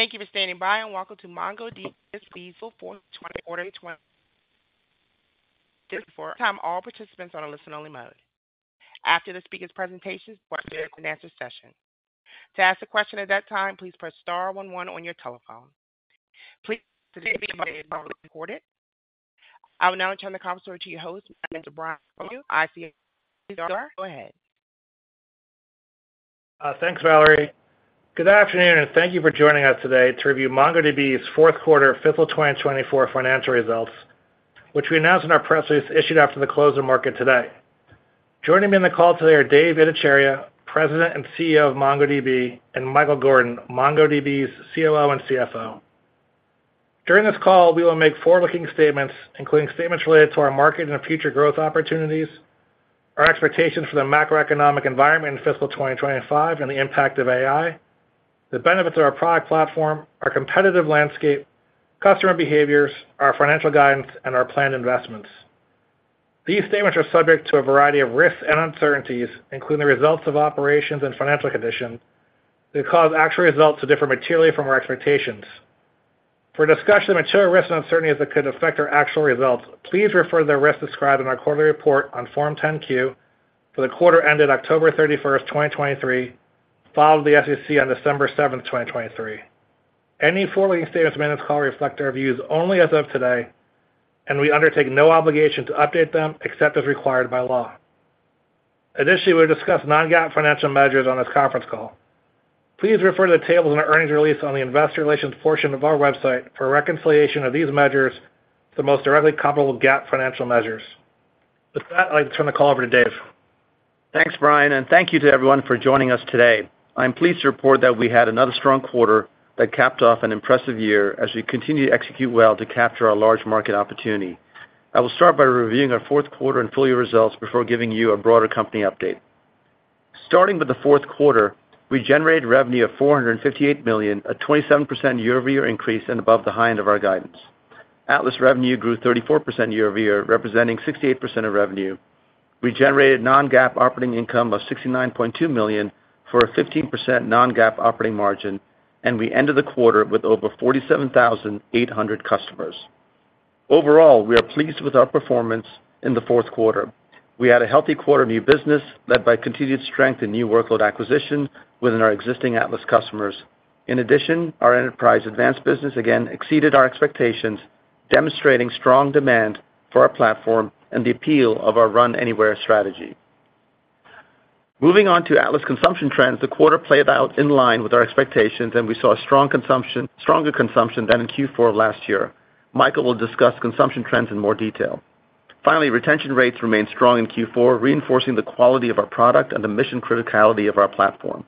Thank you for standing by, and welcome to MongoDB's fiscal Q4. At this time, all participants are on a listen-only mode. After the speaker's presentation, there will be a Q&A session. To ask a question at that time, please press star one one on your telephone. Please, today's meeting is being recorded. I will now turn the conference over to your host, Mr. Brian Collier, ICR. Go ahead. Thanks, Valerie. Good afternoon, and thank you for joining us today to review MongoDB's Q4, fiscal 2024 financial results, which we announced in our press release issued after the closing market today. Joining me on the call today are Dev Ittycheria, President and CEO of MongoDB, and Michael Gordon, MongoDB's COO and CFO. During this call, we will make forward-looking statements, including statements related to our market and future growth opportunities, our expectations for the macroeconomic environment in fiscal 2025 and the impact of AI, the benefits of our product platform, our competitive landscape, customer behaviors, our financial guidance, and our planned investments. These statements are subject to a variety of risks and uncertainties, including the results of operations and financial conditions, that could cause actual results to differ materially from our expectations. For a discussion of material risks and uncertainties that could affect our actual results, please refer to the risks described in our quarterly report on Form 10-Q for the quarter ended October 31, 2023, filed with the SEC on December 7, 2023. Any forward-looking statements made in this call reflect our views only as of today, and we undertake no obligation to update them except as required by law. Additionally, we'll discuss non-GAAP financial measures on this conference call. Please refer to the tables in our earnings release on the investor relations portion of our website for a reconciliation of these measures to the most directly comparable GAAP financial measures. With that, I'd like to turn the call over to Dev. Thanks, Brian, and thank you to everyone for joining us today. I'm pleased to report that we had another strong quarter that capped off an impressive year as we continue to execute well to capture our large market opportunity. I will start by reviewing our Q4 and full year results before giving you a broader company update. Starting with the Q4, we generated revenue of $458 million, a 27% year-over-year increase and above the high end of our guidance. Atlas revenue grew 34% year-over-year, representing 68% of revenue. We generated non-GAAP operating income of $69.2 million, for a 15% non-GAAP operating margin, and we ended the quarter with over 47,800 customers. Overall, we are pleased with our performance in the Q4. We had a healthy quarter of new business, led by continued strength in new workload acquisition within our existing Atlas customers. In addition, our Enterprise Advanced business again exceeded our expectations, demonstrating strong demand for our platform and the appeal of our Run Anywhere strategy. Moving on to Atlas consumption trends, the quarter played out in line with our expectations, and we saw a strong consumption, stronger consumption than in Q4 last year. Michael will discuss consumption trends in more detail. Finally, retention rates remained strong in Q4, reinforcing the quality of our product and the mission criticality of our platform.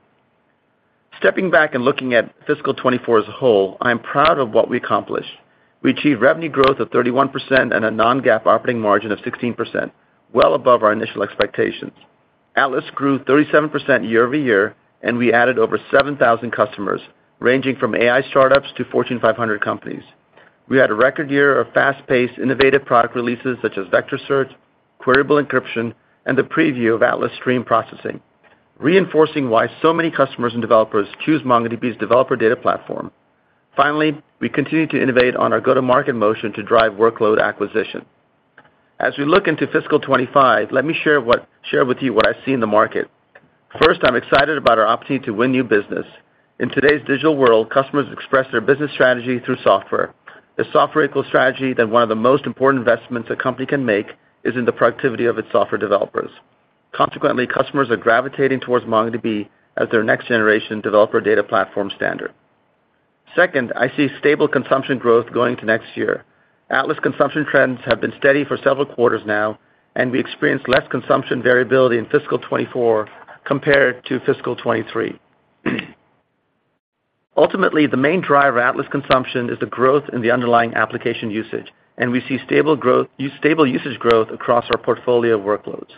Stepping back and looking at fiscal 2024 as a whole, I am proud of what we accomplished. We achieved revenue growth of 31% and a non-GAAP operating margin of 16%, well above our initial expectations. Atlas grew 37% year-over-year, and we added over 7,000 customers, ranging from AI startups to Fortune 500 companies. We had a record year of fast-paced, innovative product releases such as Vector Search, Queryable Encryption, and the preview of Atlas Stream Processing, reinforcing why so many customers and developers choose MongoDB's developer data platform. Finally, we continued to innovate on our go-to-market motion to drive workload acquisition. As we look into fiscal 25, let me share with you what I see in the market. First, I'm excited about our opportunity to win new business. In today's digital world, customers express their business strategy through software. The software equals strategy that one of the most important investments a company can make is in the productivity of its software developers. Consequently, customers are gravitating towards MongoDB as their next-generation developer data platform standard. Second, I see stable consumption growth going to next year. Atlas consumption trends have been steady for several quarters now, and we experienced less consumption variability in fiscal 2024 compared to fiscal 2023. Ultimately, the main driver of Atlas consumption is the growth in the underlying application usage, and we see stable growth, stable usage growth across our portfolio of workloads.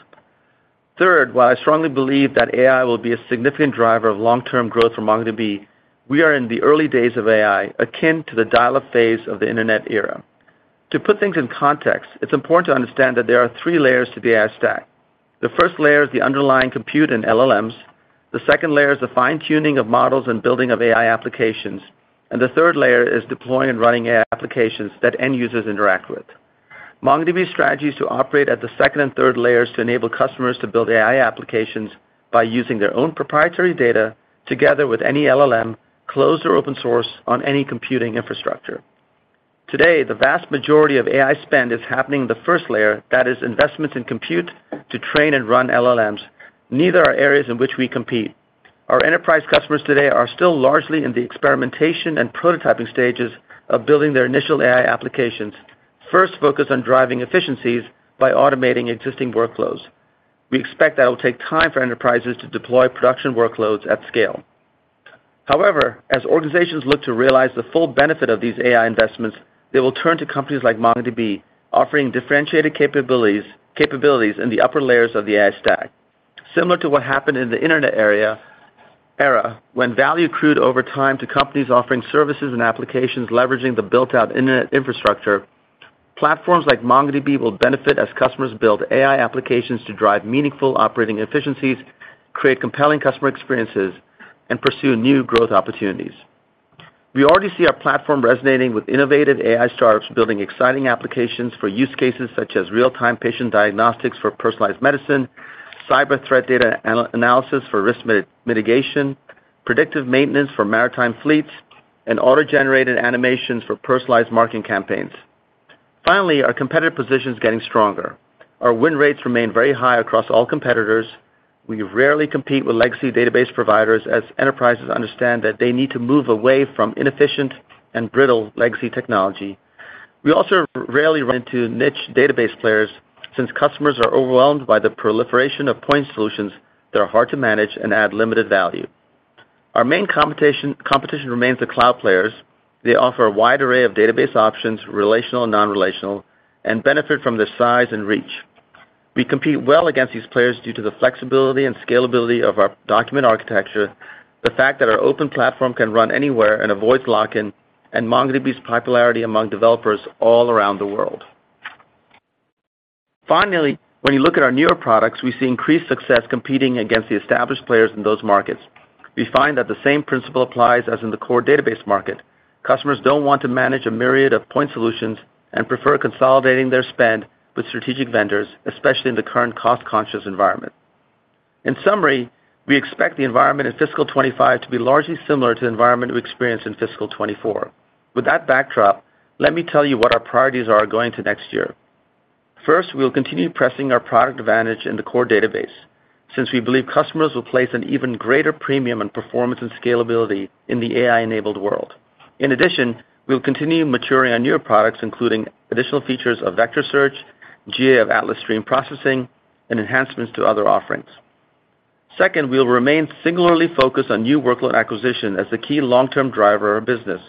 Third, while I strongly believe that AI will be a significant driver of long-term growth for MongoDB, we are in the early days of AI, akin to the dial-up phase of the internet era. To put things in context, it's important to understand that there are three layers to the AI stack. The first layer is the underlying compute and LLMs. The second layer is the fine-tuning of models and building of AI applications. And the third layer is deploying and running AI applications that end users interact with. MongoDB's strategy is to operate at the second and third layers to enable customers to build AI applications by using their own proprietary data together with any LLM, closed or open-source, on any computing infrastructure. Today, the vast majority of AI spend is happening in the first layer, that is, investments in compute to train and run LLMs. Neither are areas in which we compete. Our enterprise customers today are still largely in the experimentation and prototyping stages of building their initial AI applications, first focused on driving efficiencies by automating existing workflows. We expect that it will take time for enterprises to deploy production workloads at scale. However, as organizations look to realize the full benefit of these AI investments, they will turn to companies like MongoDB, offering differentiated capabilities in the upper layers of the AI stack. Similar to what happened in the internet era, when value accrued over time to companies offering services and applications leveraging the built-out internet infrastructure. Platforms like MongoDB will benefit as customers build AI applications to drive meaningful operating efficiencies, create compelling customer experiences, and pursue new growth opportunities. We already see our platform resonating with innovative AI startups building exciting applications for use cases such as real-time patient diagnostics for personalized medicine, cyber threat data analysis for risk mitigation, predictive maintenance for maritime fleets, and auto-generated animations for personalized marketing campaigns. Finally, our competitive position is getting stronger. Our win rates remain very high across all competitors. We rarely compete with legacy database providers as enterprises understand that they need to move away from inefficient and brittle legacy technology. We also rarely run into niche database players since customers are overwhelmed by the proliferation of point solutions that are hard to manage and add limited value. Our main competition remains the cloud players. They offer a wide array of database options, relational and non-relational, and benefit from their size and reach. We compete well against these players due to the flexibility and scalability of our document architecture, the fact that our open platform can run anywhere and avoids lock-in, and MongoDB's popularity among developers all around the world. Finally, when you look at our newer products, we see increased success competing against the established players in those markets. We find that the same principle applies as in the core database market. Customers don't want to manage a myriad of point solutions and prefer consolidating their spend with strategic vendors, especially in the current cost-conscious environment. In summary, we expect the environment in fiscal 2025 to be largely similar to the environment we experienced in fiscal 2024. With that backdrop, let me tell you what our priorities are going to next year. First, we will continue pressing our product advantage in the core database, since we believe customers will place an even greater premium on performance and scalability in the AI-enabled world. In addition, we'll continue maturing our newer products, including additional features of vector search, GA of Atlas Stream Processing, and enhancements to other offerings. Second, we will remain singularly focused on new workload acquisition as the key long-term driver of business.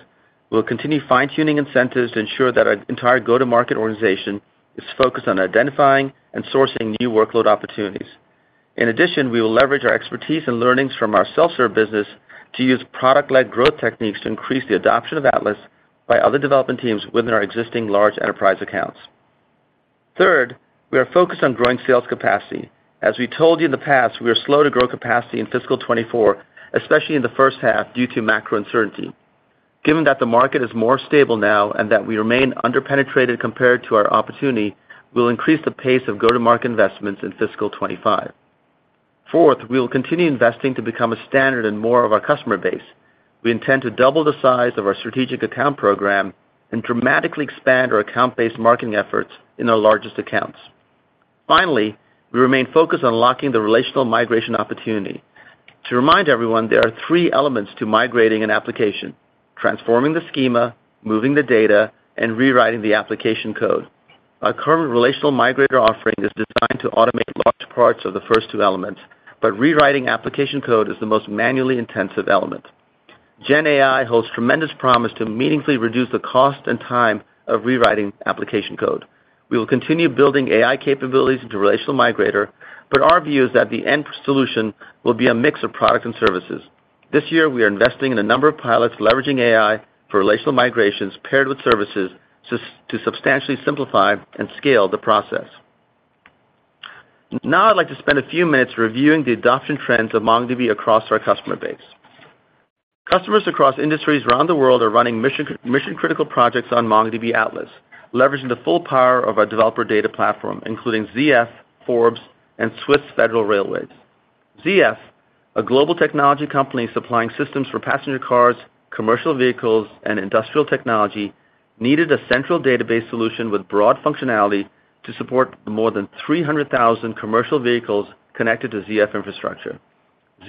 We'll continue fine-tuning incentives to ensure that our entire go-to-market organization is focused on identifying and sourcing new workload opportunities. In addition, we will leverage our expertise and learnings from our self-serve business to use product-led growth techniques to increase the adoption of Atlas by other development teams within our existing large enterprise accounts. Third, we are focused on growing sales capacity. As we told you in the past, we are slow to grow capacity in fiscal 2024, especially in the first half, due to macro uncertainty. Given that the market is more stable now and that we remain under-penetrated compared to our opportunity, we'll increase the pace of go-to-market investments in fiscal 2025. Fourth, we will continue investing to become a standard in more of our customer base. We intend to double the size of our strategic account program and dramatically expand our account-based marketing efforts in our largest accounts. Finally, we remain focused on locking the relational migration opportunity. To remind everyone, there are three elements to migrating an application: transforming the schema, moving the data, and rewriting the application code. Our current Relational Migrator offering is designed to automate large parts of the first two elements, but rewriting application code is the most manually intensive element. Gen AI holds tremendous promise to meaningfully reduce the cost and time of rewriting application code. We will continue building AI capabilities into Relational Migrator, but our view is that the end solution will be a mix of products and services. This year, we are investing in a number of pilots, leveraging AI for relational migrations, paired with services to substantially simplify and scale the process. Now, I'd like to spend a few minutes reviewing the adoption trends of MongoDB across our customer base. Customers across industries around the world are running mission-critical projects on MongoDB Atlas, leveraging the full power of our developer data platform, including ZF, Forbes, and Swiss Federal Railways. ZF, a global technology company supplying systems for passenger cars, commercial vehicles, and industrial technology, needed a central database solution with broad functionality to support more than 300,000 commercial vehicles connected to ZF infrastructure.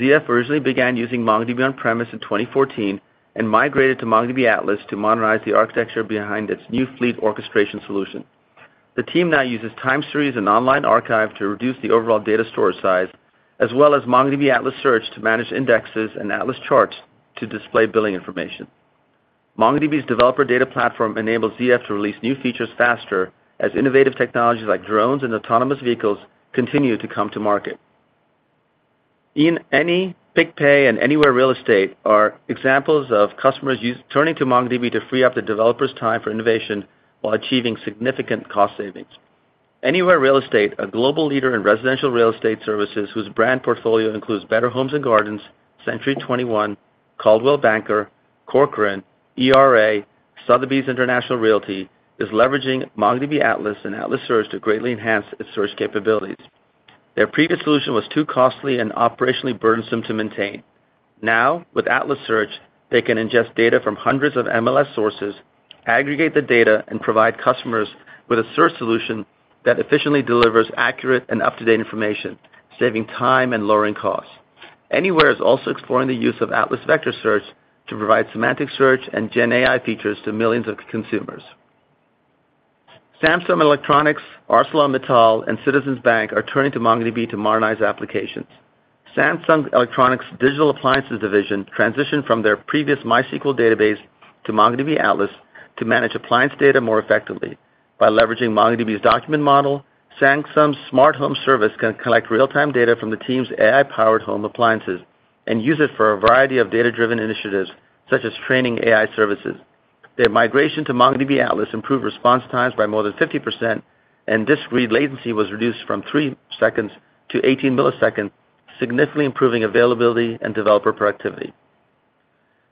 ZF originally began using MongoDB on-premise in 2014 and migrated to MongoDB Atlas to modernize the architecture behind its new fleet orchestration solution. The team now uses time series and online archive to reduce the overall data storage size, as well as MongoDB Atlas Search to manage indexes and Atlas Charts to display billing information. MongoDB's developer data platform enables ZF to release new features faster as innovative technologies like drones and autonomous vehicles continue to come to market. Indeed, BigPay and Anywhere Real Estate are examples of customers turning to MongoDB to free up the developers' time for innovation while achieving significant cost savings. Anywhere Real Estate, a global leader in residential real estate services, whose brand portfolio includes Better Homes and Gardens, Century 21, Coldwell Banker, Corcoran, ERA, Sotheby's International Realty, is leveraging MongoDB Atlas and Atlas Search to greatly enhance its search capabilities. Their previous solution was too costly and operationally burdensome to maintain. Now, with Atlas Search, they can ingest data from hundreds of MLS sources, aggregate the data, and provide customers with a search solution that efficiently delivers accurate and up-to-date information, saving time and lowering costs. Anywhere is also exploring the use of Atlas Vector Search to provide semantic search and Gen AI features to millions of consumers. Samsung Electronics, ArcelorMittal, and Citizens Bank are turning to MongoDB to modernize applications. Samsung Electronics' Digital Appliances division transitioned from their previous MySQL database to MongoDB Atlas to manage appliance data more effectively. By leveraging MongoDB's document model, Samsung's Smart Home service can collect real-time data from the team's AI-powered home appliances… and use it for a variety of data-driven initiatives, such as training AI services. Their migration to MongoDB Atlas improved response times by more than 50%, and disk read latency was reduced from three seconds to 18 milliseconds, significantly improving availability and developer productivity.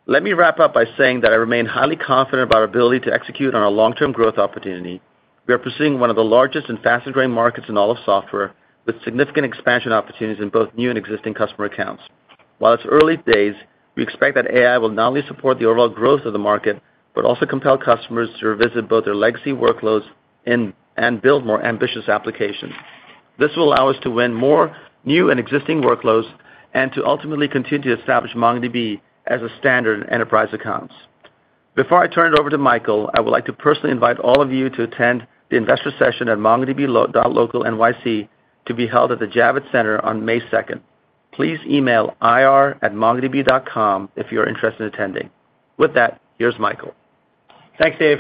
Let me wrap up by saying that I remain highly confident about our ability to execute on our long-term growth opportunity. We are pursuing one of the largest and fastest-growing markets in all of software, with significant expansion opportunities in both new and existing customer accounts. While it's early days, we expect that AI will not only support the overall growth of the market, but also compel customers to revisit both their legacy workloads and build more ambitious applications. This will allow us to win more new and existing workloads and to ultimately continue to establish MongoDB as a standard enterprise accounts. Before I turn it over to Michael, I would like to personally invite all of you to attend the investor session at MongoDB.local NYC, to be held at the Javits Center on May 2nd. Please email ir@mongodb.com if you're interested in attending. With that, here's Michael. Thanks, Dev.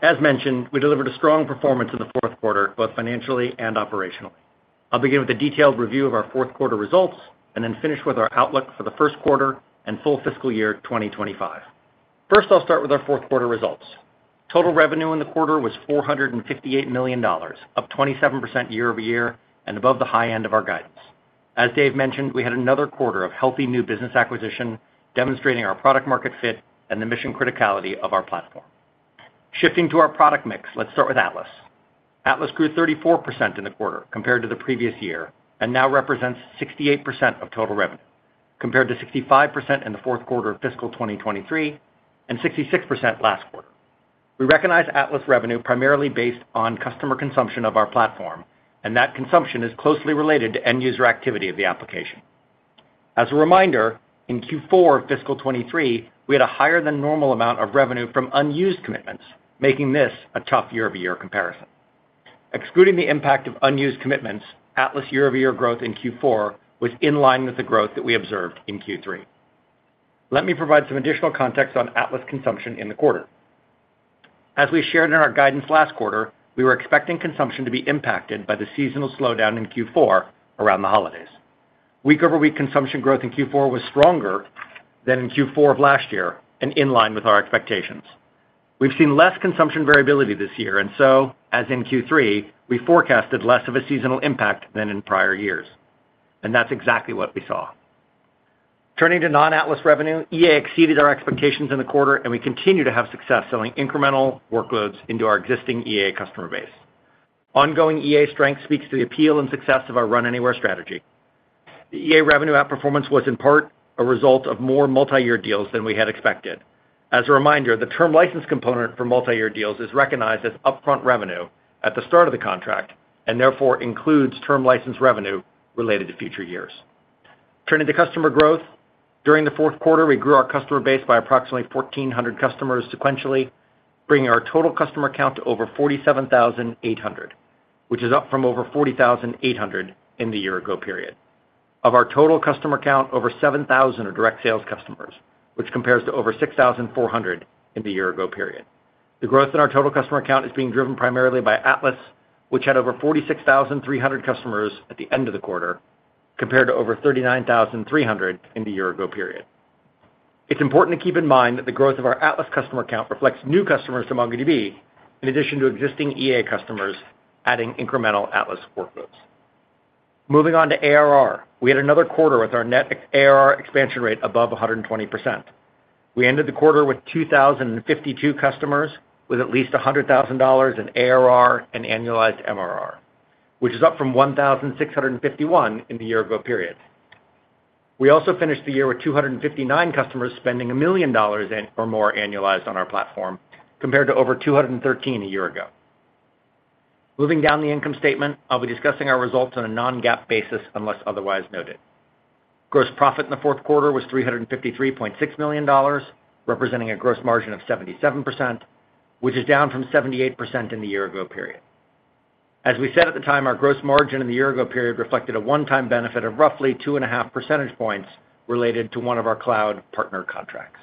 As mentioned, we delivered a strong performance in the Q4, both financially and operationally. I'll begin with a detailed review of our Q4 results, and then finish with our outlook for the Q1 and full fiscal year 2025. First, I'll start with our Q4 results. Total revenue in the quarter was $458 million, up 27% year-over-year, and above the high end of our guidance. As Dev mentioned, we had another quarter of healthy new business acquisition, demonstrating our product-market fit and the mission-criticality of our platform. Shifting to our product mix, let's start with Atlas. Atlas grew 34% in the quarter compared to the previous year, and now represents 68% of total revenue, compared to 65% in the Q4 of fiscal 2023, and 66% last quarter. We recognize Atlas revenue primarily based on customer consumption of our platform, and that consumption is closely related to end-user activity of the application. As a reminder, in Q4 of fiscal 2023, we had a higher than normal amount of revenue from unused commitments, making this a tough year-over-year comparison. Excluding the impact of unused commitments, Atlas year-over-year growth in Q4 was in line with the growth that we observed in Q3. Let me provide some additional context on Atlas consumption in the quarter. As we shared in our guidance last quarter, we were expecting consumption to be impacted by the seasonal slowdown in Q4 around the holidays. Week-over-week consumption growth in Q4 was stronger than in Q4 of last year and in line with our expectations. We've seen less consumption variability this year, and so, as in Q3, we forecasted less of a seasonal impact than in prior years, and that's exactly what we saw. Turning to non-Atlas revenue, EA exceeded our expectations in the quarter, and we continue to have success selling incremental workloads into our existing EA customer base. Ongoing EA strength speaks to the appeal and success of our Run Anywhere strategy. The EA revenue outperformance was in part a result of more multiyear deals than we had expected. As a reminder, the term license component for multiyear deals is recognized as upfront revenue at the start of the contract, and therefore includes term license revenue related to future years. Turning to customer growth. During the Q4, we grew our customer base by approximately 1,400 customers sequentially, bringing our total customer count to over 47,800, which is up from over 40,800 in the year ago period. Of our total customer count, over 7,000 are direct sales customers, which compares to over 6,400 in the year ago period. The growth in our total customer count is being driven primarily by Atlas, which had over 46,300 customers at the end of the quarter, compared to over 39,300 in the year ago period. It's important to keep in mind that the growth of our Atlas customer count reflects new customers to MongoDB, in addition to existing EA customers, adding incremental Atlas workloads. Moving on to ARR. We had another quarter with our net ARR expansion rate above 120%. We ended the quarter with 2,052 customers, with at least $100,000 in ARR and annualized MRR, which is up from 1,651 in the year ago period. We also finished the year with 259 customers spending $1 million or more annualized on our platform, compared to over 213 a year ago. Moving down the income statement, I'll be discussing our results on a non-GAAP basis, unless otherwise noted. Gross profit in the Q4 was $353.6 million, representing a gross margin of 77%, which is down from 78% in the year ago period. As we said at the time, our gross margin in the year ago period reflected a one-time benefit of roughly 2.5 percentage points related to one of our cloud partner contracts.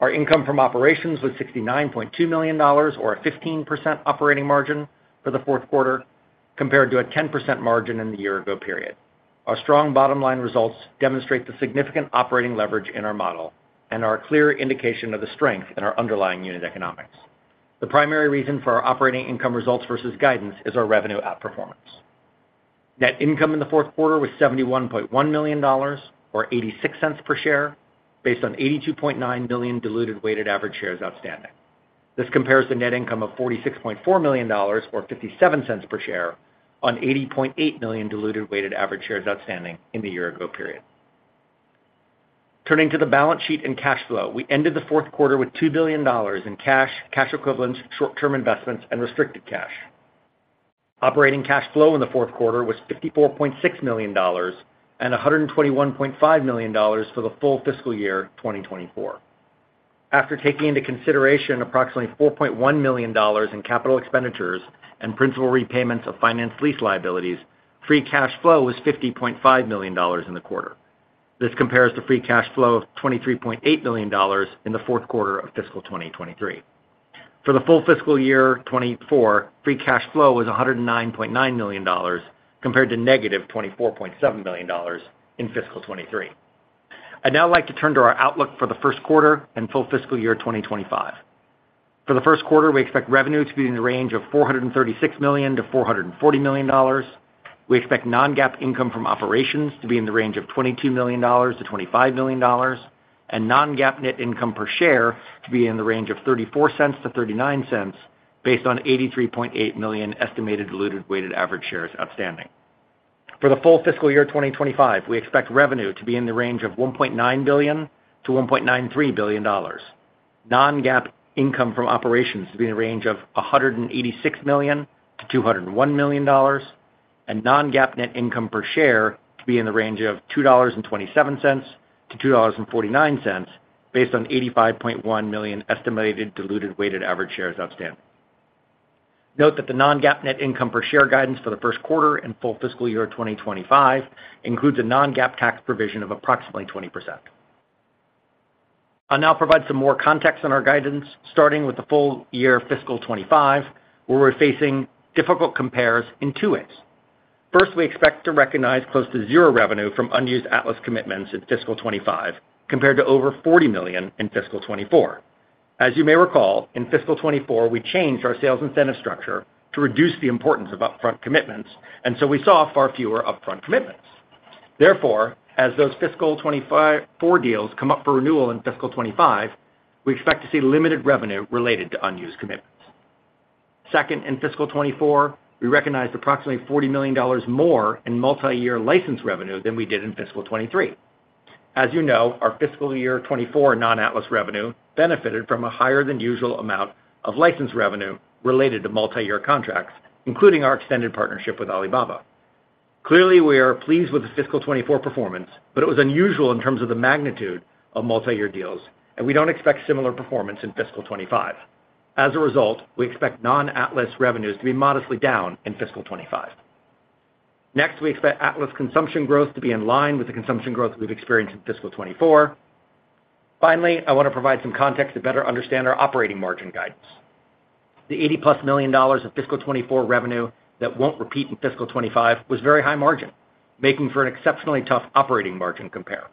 Our income from operations was $69.2 million, or a 15% operating margin for the Q4, compared to a 10% margin in the year ago period. Our strong bottom line results demonstrate the significant operating leverage in our model and are a clear indication of the strength in our underlying unit economics. The primary reason for our operating income results versus guidance is our revenue outperformance. Net income in the Q4 was $71.1 million, or $0.86 per share, based on 82.9 million diluted weighted average shares outstanding. This compares to net income of $46.4 million or $0.57 per share on 80.8 million diluted weighted average shares outstanding in the year ago period. Turning to the balance sheet and cash flow. We ended the Q4 with $2 billion in cash, cash equivalents, short-term investments, and restricted cash. Operating cash flow in the Q4 was $54.6 million and $121.5 million for the full fiscal year 2024. After taking into consideration approximately $4.1 million in capital expenditures and principal repayments of finance lease liabilities, free cash flow was $50.5 million in the quarter. This compares to free cash flow of $23.8 million in the Q4 of fiscal 2023. For the full fiscal year 2024, free cash flow was $109.9 million, compared to -$24.7 million in fiscal 2023. I'd now like to turn to our outlook for the Q1 and full fiscal year 2025. For the Q1, we expect revenue to be in the range of $436 million-$440 million. We expect non-GAAP income from operations to be in the range of $22 million-$25 million, and non-GAAP net income per share to be in the range of $0.34-$0.39, based on 83.8 million estimated diluted weighted average shares outstanding. For the full fiscal year 2025, we expect revenue to be in the range of $1.9 billion-$1.93 billion. Non-GAAP income from operations to be in the range of $186 million-$201 million, and non-GAAP net income per share to be in the range of $2.27-$2.49, based on 85.1 million estimated diluted weighted average shares outstanding. Note that the non-GAAP net income per share guidance for the Q1 and full fiscal year 2025 includes a non-GAAP tax provision of approximately 20%. I'll now provide some more context on our guidance, starting with the full year fiscal 2025, where we're facing difficult compares in two ways. First, we expect to recognize close to zero revenue from unused Atlas commitments in fiscal 2025, compared to over $40 million in fiscal 2024. As you may recall, in fiscal 2024, we changed our sales incentive structure to reduce the importance of upfront commitments, and so we saw far fewer upfront commitments. Therefore, as those fiscal 2024 deals come up for renewal in fiscal 2025, we expect to see limited revenue related to unused commitments. Second, in fiscal 2024, we recognized approximately $40 million more in multi-year license revenue than we did in fiscal 2023. As you know, our fiscal year 2024 non-Atlas revenue benefited from a higher than usual amount of license revenue related to multi-year contracts, including our extended partnership with Alibaba. Clearly, we are pleased with the fiscal 2024 performance, but it was unusual in terms of the magnitude of multi-year deals, and we don't expect similar performance in fiscal 2025. As a result, we expect non-Atlas revenues to be modestly down in fiscal 2025. Next, we expect Atlas consumption growth to be in line with the consumption growth we've experienced in fiscal 2024. Finally, I want to provide some context to better understand our operating margin guidance. The $80+ million of fiscal 2024 revenue that won't repeat in fiscal 2025 was very high margin, making for an exceptionally tough operating margin compare.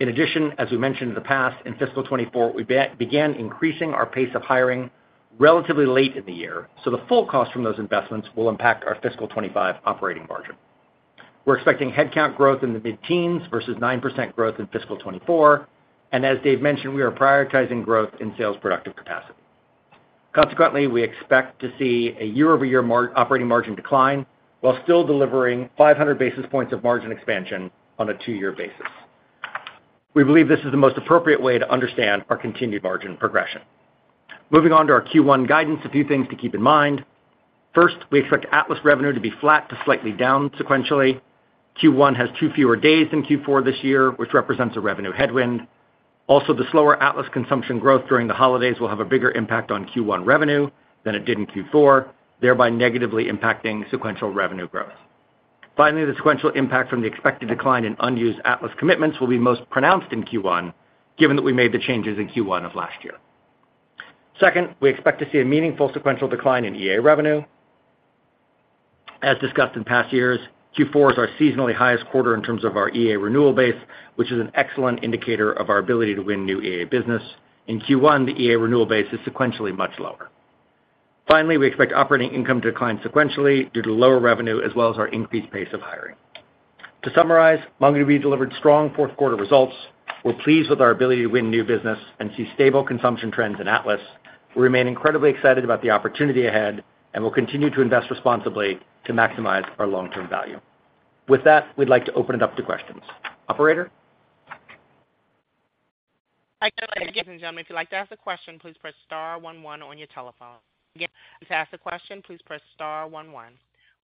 In addition, as we mentioned in the past, in fiscal 2024, we began increasing our pace of hiring relatively late in the year, so the full cost from those investments will impact our fiscal 2025 operating margin. We're expecting headcount growth in the mid-teens versus 9% growth in fiscal 2024, and as Dev mentioned, we are prioritizing growth in sales productive capacity. Consequently, we expect to see a year-over-year operating margin decline, while still delivering 500 basis points of margin expansion on a two-year basis. We believe this is the most appropriate way to understand our continued margin progression. Moving on to our Q1 guidance, a few things to keep in mind. First, we expect Atlas revenue to be flat to slightly down sequentially. Q1 has 2 fewer days than Q4 this year, which represents a revenue headwind. Also, the slower Atlas consumption growth during the holidays will have a bigger impact on Q1 revenue than it did in Q4, thereby negatively impacting sequential revenue growth. Finally, the sequential impact from the expected decline in unused Atlas commitments will be most pronounced in Q1, given that we made the changes in Q1 of last year. Second, we expect to see a meaningful sequential decline in EA revenue. As discussed in past years, Q4 is our seasonally highest quarter in terms of our EA renewal base, which is an excellent indicator of our ability to win new EA business. In Q1, the EA renewal base is sequentially much lower. Finally, we expect operating income to decline sequentially due to lower revenue as well as our increased pace of hiring. To summarize, MongoDB delivered strong Q4 results. We're pleased with our ability to win new business and see stable consumption trends in Atlas. We remain incredibly excited about the opportunity ahead, and we'll continue to invest responsibly to maximize our long-term value. With that, we'd like to open it up to questions. Operator? Thank you, ladies and gentlemen, if you'd like to ask a question, please press star one one on your telephone. Again, to ask a question, please press star one one.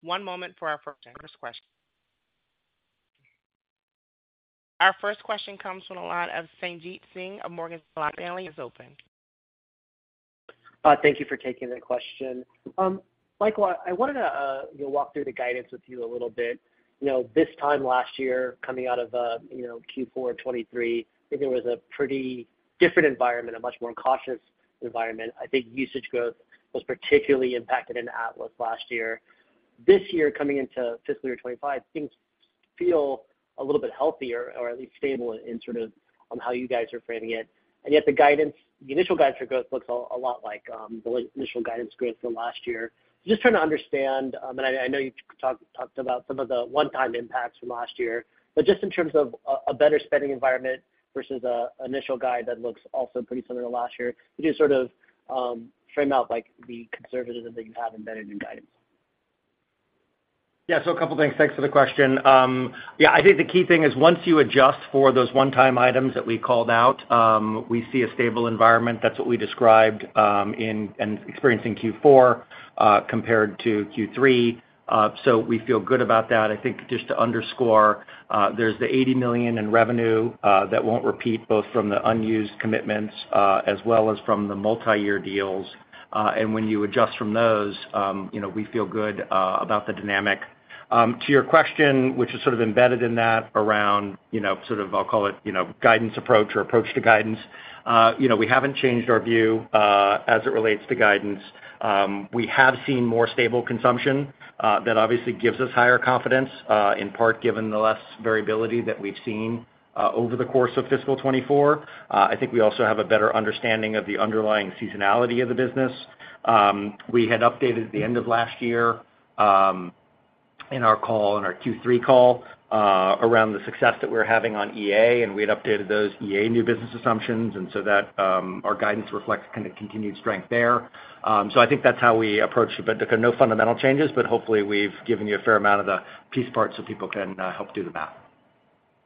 One moment for our first question. Our first question comes from the line of Sanjit Singh of Morgan Stanley, your line is open. Thank you for taking the question. Michael, I wanted to, you know, walk through the guidance with you a little bit. You know, this time last year, coming out of, you know, Q4 of 2023, I think it was a pretty different environment, a much more cautious environment. I think usage growth was particularly impacted in Atlas last year. This year, coming into fiscal year 2025, things feel a little bit healthier or at least stable in sort of on how you guys are framing it. And yet the guidance, the initial guidance for growth looks a lot like the initial guidance growth from last year. Just trying to understand, and I know you talked about some of the one-time impacts from last year, but just in terms of a better spending environment versus an initial guide that looks also pretty similar to last year, could you sort of frame out like the conservatism that you have embedded in guidance? Yeah, so a couple things. Thanks for the question. Yeah, I think the key thing is once you adjust for those one-time items that we called out, we see a stable environment. That's what we described in Q4 compared to Q3. So we feel good about that. I think just to underscore, there's the $80 million in revenue that won't repeat both from the unused commitments as well as from the multi-year deals. And when you adjust from those, you know, we feel good about the dynamic. To your question, which is sort of embedded in that around, you know, sort of I'll call it, you know, guidance approach or approach to guidance, you know, we haven't changed our view as it relates to guidance. We have seen more stable consumption, that obviously gives us higher confidence, in part, given the less variability that we've seen, over the course of fiscal 2024. I think we also have a better understanding of the underlying seasonality of the business. We had updated at the end of last year, in our call, in our Q3 call, around the success that we're having on EA, and we had updated those EA new business assumptions, and so that, our guidance reflects kind of continued strength there. So I think that's how we approach it, but there are no fundamental changes, but hopefully, we've given you a fair amount of the piece parts, so people can, help do the math.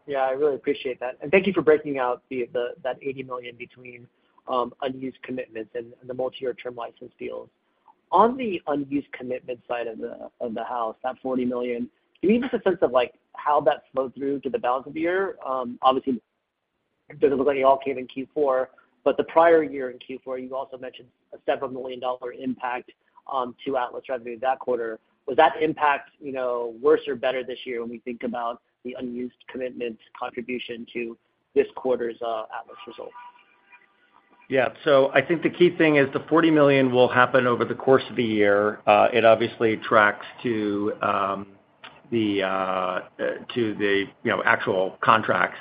Yeah, I really appreciate that. Thank you for breaking out the that $80 million between unused commitments and the multiyear term license deals. On the unused commitment side of the house, that $40 million, give me just a sense of, like, how that flowed through to the balance of the year. Obviously, it doesn't look like it all came in Q4, but the prior year in Q4, you also mentioned a several million dollar impact to Atlas revenue that quarter. Was that impact, you know, worse or better this year when we think about the unused commitment contribution to this quarter's Atlas results? Yeah. So I think the key thing is the $40 million will happen over the course of the year. It obviously tracks to the you know actual contracts.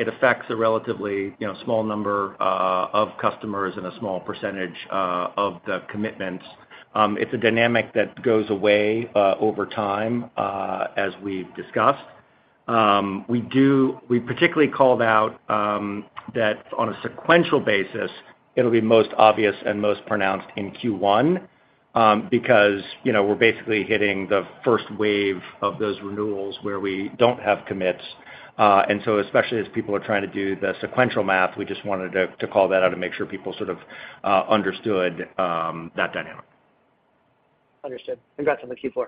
It affects a relatively you know small number of customers and a small percentage of the commitments. It's a dynamic that goes away over time as we've discussed. We particularly called out that on a sequential basis, it'll be most obvious and most pronounced in Q1 because you know we're basically hitting the first wave of those renewals where we don't have commits. And so especially as people are trying to do the sequential math, we just wanted to call that out and make sure people sort of understood that dynamic. Understood. Congrats on the Q4.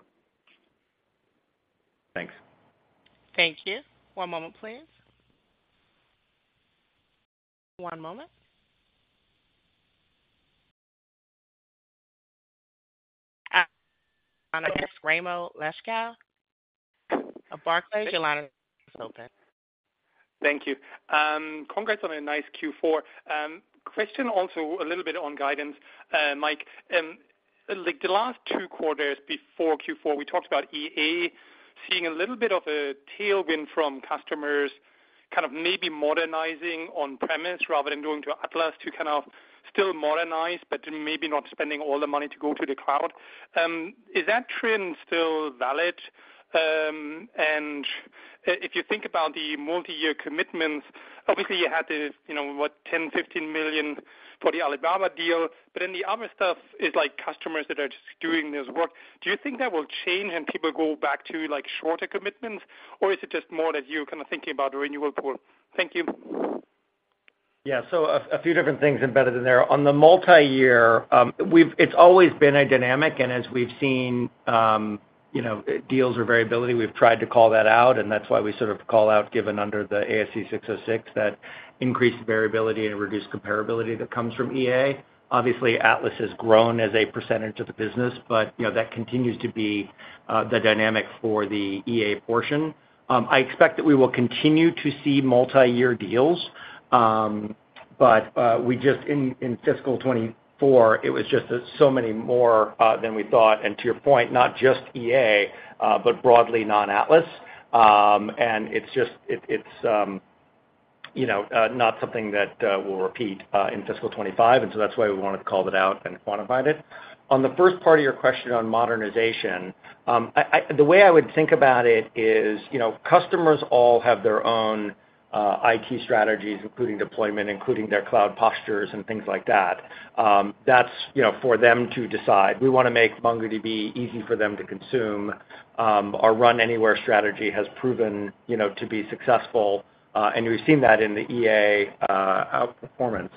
Thanks. Thank you. One moment, please. One moment. On the line of Raimo Lenschow of Barclays. Your line is open. Thank you. Congrats on a nice Q4. Question also a little bit on guidance, Mike. Like, the last two quarters before Q4, we talked about EA seeing a little bit of a tailwind from customers, kind of maybe modernizing on-premise rather than going to Atlas to kind of still modernize, but then maybe not spending all the money to go to the cloud. Is that trend still valid? And if you think about the multi-year commitments, obviously you had this, you know, what, $10 million-$15 million for the Alibaba deal, but then the other stuff is like customers that are just doing this work. Do you think that will change and people go back to, like, shorter commitments, or is it just more that you're kind of thinking about the renewal pool? Thank you. Yeah. So a few different things embedded in there. On the multi-year, we've. It's always been a dynamic, and as we've seen, you know, deals or variability, we've tried to call that out, and that's why we sort of call out, given under the ASC 606, that increased variability and reduced comparability that comes from EA. Obviously, Atlas has grown as a percentage of the business, but, you know, that continues to be the dynamic for the EA portion. I expect that we will continue to see multi-year deals, but we just, in fiscal 2024, it was just so many more than we thought, and to your point, not just EA, but broadly non-Atlas. And it's just, it's, you know, not something that we'll repeat in fiscal 25, and so that's why we wanted to call it out and quantified it. On the first part of your question on modernization, the way I would think about it is, you know, customers all have their own IT strategies, including deployment, including their cloud postures and things like that. That's, you know, for them to decide. We wanna make MongoDB easy for them to consume. Our Run Anywhere strategy has proven, you know, to be successful, and we've seen that in the EA outperformance.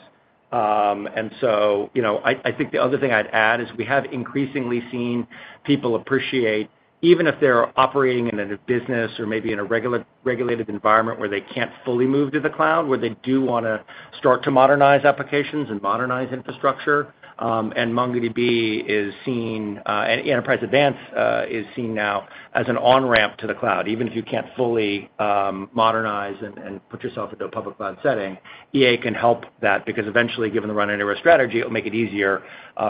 you know, I think the other thing I'd add is we have increasingly seen people appreciate, even if they're operating in a business or maybe in a regulated environment where they can't fully move to the cloud, where they do wanna start to modernize applications and modernize infrastructure. And MongoDB is seen, and Enterprise Advanced is seen now as an on-ramp to the cloud. Even if you can't fully modernize and put yourself into a public cloud setting, EA can help that, because eventually, given the Run Anywhere strategy, it'll make it easier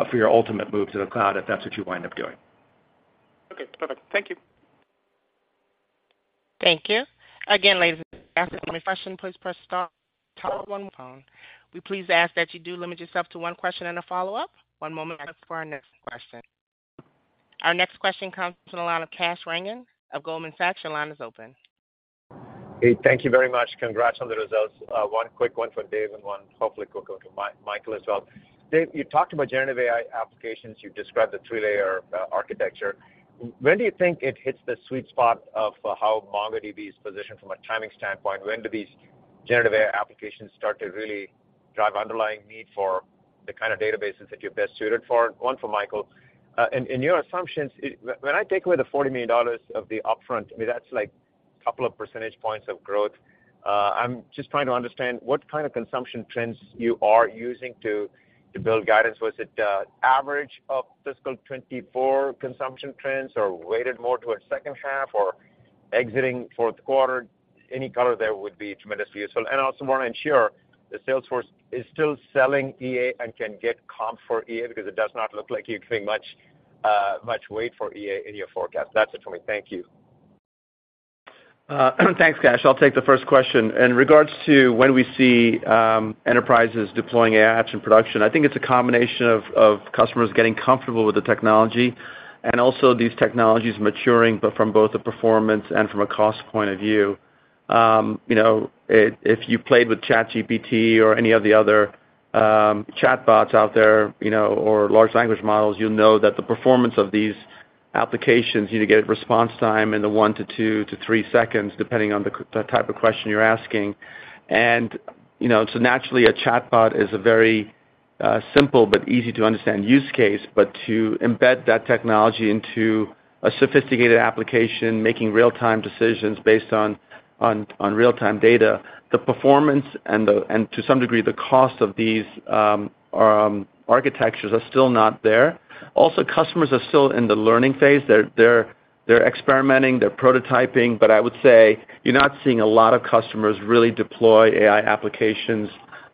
for your ultimate move to the cloud if that's what you wind up doing. Okay, perfect. Thank you. Thank you. Again, ladies and gentlemen, for any question, please press star one on your phone. We please ask that you do limit yourself to one question and a follow-up. One moment for our next question. Our next question comes from the line of Kash Rangan of Goldman Sachs. Your line is open. Hey, thank you very much. Congrats on the results. One quick one for Dev and one hopefully quick one to Michael as well. Dev, you talked about generative AI applications. You've described the three-layer architecture. When do you think it hits the sweet spot of how MongoDB is positioned from a timing standpoint? When do these generative AI applications start to really drive underlying need for the kind of databases that you're best suited for? One for Michael. In your assumptions, when I take away the $40 million of the upfront, I mean, that's like a couple of percentage points of growth. I'm just trying to understand what kind of consumption trends you are using to build guidance. Was it average of fiscal 2024 consumption trends, or weighted more to a second half, or exiting Q4? Any color there would be tremendously useful. And I also want to ensure the sales force is still selling EA and can get comp for EA, because it does not look like you're giving much, much weight for EA in your forecast. That's it for me. Thank you. Thanks, Kash. I'll take the first question. In regards to when we see enterprises deploying AI apps in production, I think it's a combination of customers getting comfortable with the technology, and also these technologies maturing, but from both a performance and from a cost point of view. You know, if you played with ChatGPT or any of the other chatbots out there, you know, or large language models, you'll know that the performance of these applications, you get a response time in the 1,2,3 seconds, depending on the type of question you're asking. And, you know, so naturally, a chatbot is a very simple but easy-to-understand use case. But to embed that technology into a sophisticated application, making real-time decisions based on real-time data, the performance and to some degree, the cost of these architectures are still not there. Also, customers are still in the learning phase. They're experimenting, they're prototyping, but I would say you're not seeing a lot of customers really deploy AI applications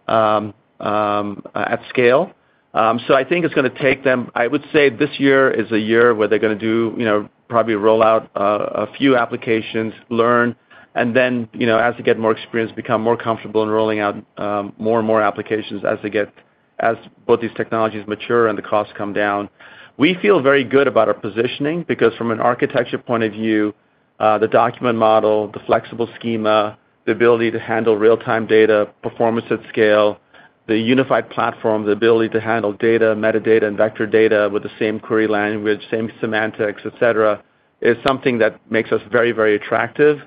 at scale. So I think it's gonna take them. I would say this year is a year where they're gonna do, you know, probably roll out a few applications, learn, and then, you know, as they get more experienced, become more comfortable in rolling out more and more applications as both these technologies mature and the costs come down. We feel very good about our positioning because from an architecture point of view, the Document Model, the flexible schema, the ability to handle real-time data, performance at scale, the unified platform, the ability to handle data, metadata, and vector data with the same query language, same semantics, etc, is something that makes us very, very attractive.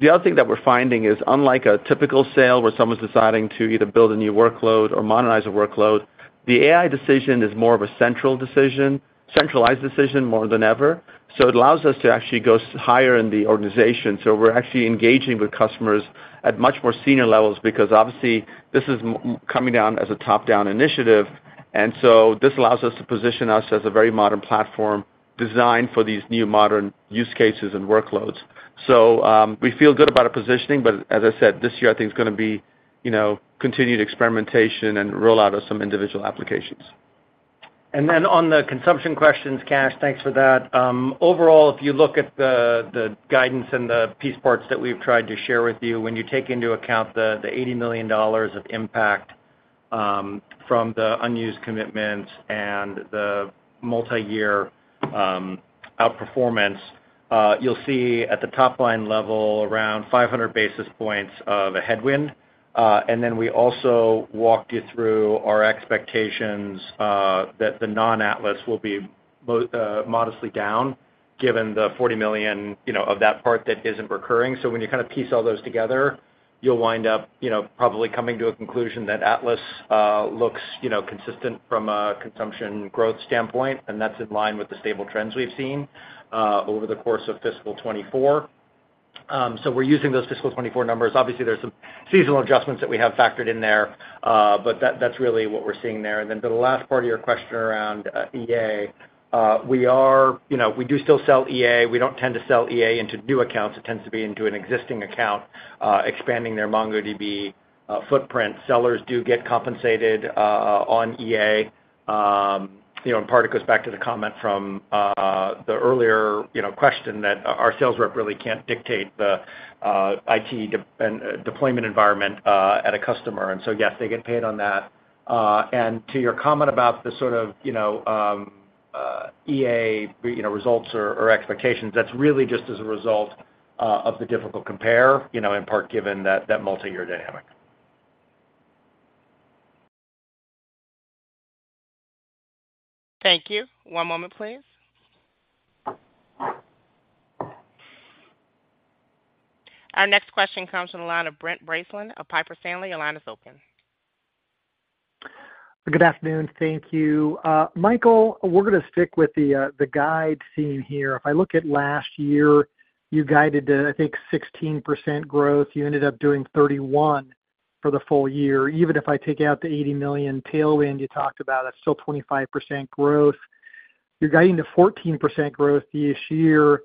The other thing that we're finding is, unlike a typical sale, where someone's deciding to either build a new workload or modernize a workload, the AI decision is more of a centralized decision, more than ever. So it allows us to actually go higher in the organization. So we're actually engaging with customers at much more senior levels because, obviously, this is coming down as a top-down initiative, and so this allows us to position us as a very modern platform designed for these new modern use cases and workloads. So, we feel good about our positioning, but as I said, this year, I think, is gonna be, you know, continued experimentation and roll out of some individual applications. On the consumption questions, Kash, thanks for that. Overall, if you look at the guidance and the piece parts that we've tried to share with you, when you take into account the $80 million of impact from the unused commitments and the multiyear outperformance, you'll see at the top-line level, around 500 basis points of a headwind. And then we also walked you through our expectations that the non-Atlas will be modestly down, given the $40 million of that part that isn't recurring. So when you kind of piece all those together, you'll wind up, you know, probably coming to a conclusion that Atlas looks, you know, consistent from a consumption growth standpoint, and that's in line with the stable trends we've seen over the course of fiscal 2024. So we're using those fiscal 2024 numbers. Obviously, there's some seasonal adjustments that we have factored in there, but that, that's really what we're seeing there. And then to the last part of your question around EA, we are, you know, we do still sell EA. We don't tend to sell EA into new accounts. It tends to be into an existing account, expanding their MongoDB footprint. Sellers do get compensated on EA. You know, in part, it goes back to the comment from the earlier, you know, question that our sales rep really can't dictate the IT deployment environment at a customer. And so, yes, they get paid on that. And to your comment about the sort of, you know, EA, you know, results or expectations, that's really just as a result of the difficult compare, you know, in part, given that, that multiyear dynamic. Thank you. One moment, please. Our next question comes from the line of Brent Bracelin of Piper Sandler. Your line is open. Good afternoon. Thank you. Michael, we're gonna stick with the guidance theme here. If I look at last year, you guided to, I think, 16% growth. You ended up doing 31 for the full year. Even if I take out the $80 million tailwind you talked about, that's still 25% growth. You're guiding to 14% growth this year,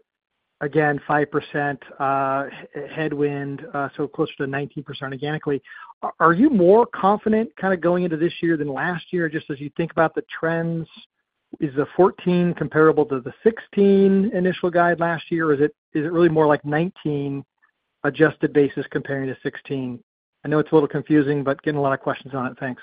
again, 5%, headwind, so closer to 19% organically. Are you more confident kind of going into this year than last year, just as you think about the trends? Is the 14 comparable to the 16 initial guide last year, or is it really more like 19 adjusted basis comparing to 16? I know it's a little confusing, but getting a lot of questions on it. Thanks.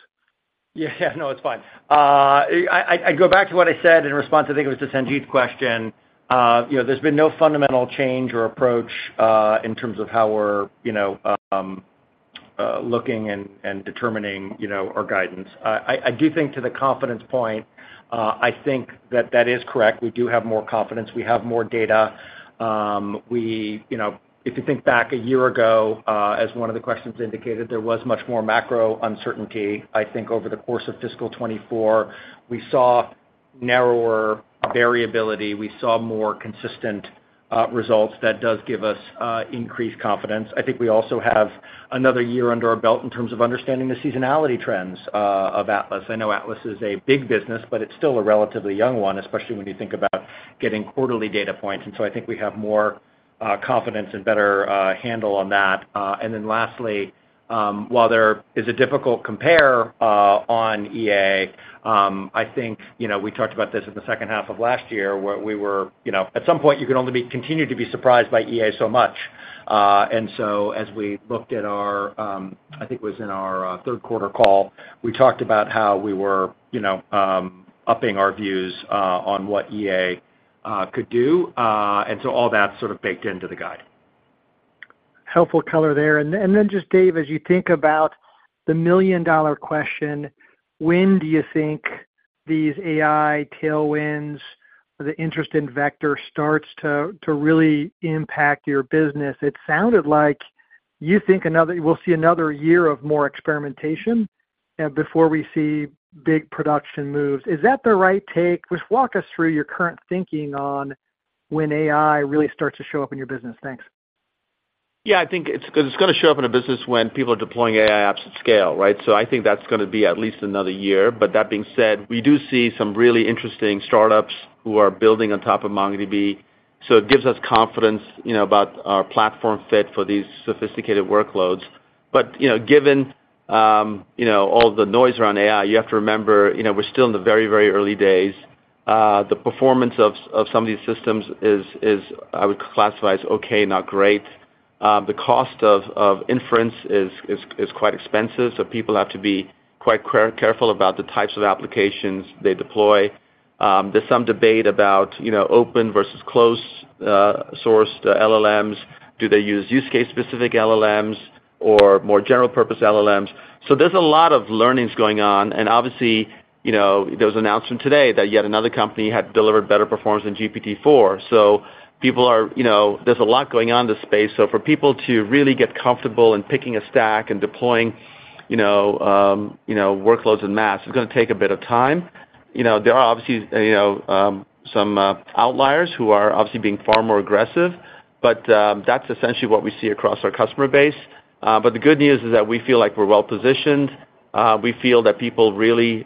Yeah, no, it's fine. I go back to what I said in response, I think it was to Sanjit's question. You know, there's been no fundamental change or approach in terms of how we're, you know, looking and determining, you know, our guidance. I do think to the confidence point, I think that that is correct. We do have more confidence. We have more data. You know, if you think back a year ago, as one of the questions indicated, there was much more macro uncertainty. I think over the course of fiscal 2024, we saw narrower variability, we saw more consistent results. That does give us increased confidence. I think we also have another year under our belt in terms of understanding the seasonality trends of Atlas. I know Atlas is a big business, but it's still a relatively young one, especially when you think about getting quarterly data points, and so I think we have more confidence and better handle on that. And then lastly, while there is a difficult compare on EA, I think, you know, we talked about this in the second half of last year, where we were, you know, at some point, you can only continue to be surprised by EA so much. And so as we looked at our, I think it was in our Q3 call, we talked about how we were, you know, upping our views on what EA could do. And so all that's sort of baked into the guide. Helpful color there. And then just, Dev, as you think about the million-dollar question, when do you think these AI tailwinds, the interest in vector, starts to really impact your business? It sounded like you think another, we'll see another year of more experimentation before we see big production moves. Is that the right take? Just walk us through your current thinking on when AI really starts to show up in your business. Thanks. Yeah, I think it's gonna show up in a business when people are deploying AI apps at scale, right? So I think that's gonna be at least another year. But that being said, we do see some really interesting startups who are building on top of MongoDB, so it gives us confidence, you know, about our platform fit for these sophisticated workloads. But, you know, given, you know, all the noise around AI, you have to remember, you know, we're still in the very early days. The performance of some of these systems is, I would classify as okay, not great. The cost of inference is quite expensive, so people have to be quite careful about the types of applications they deploy. There's some debate about, you know, open versus closed sourced LLMs. Do they use case-specific LLMs or more general-purpose LLMs? So there's a lot of learnings going on, and obviously, you know, there was an announcement today that yet another company had delivered better performance than GPT-4. So people are, you know, there's a lot going on in this space, so for people to really get comfortable in picking a stack and deploying, you know, workloads en masse, it's gonna take a bit of time. You know, there are obviously, you know, some outliers who are obviously being far more aggressive, but that's essentially what we see across our customer base. But the good news is that we feel like we're well positioned. We feel that people really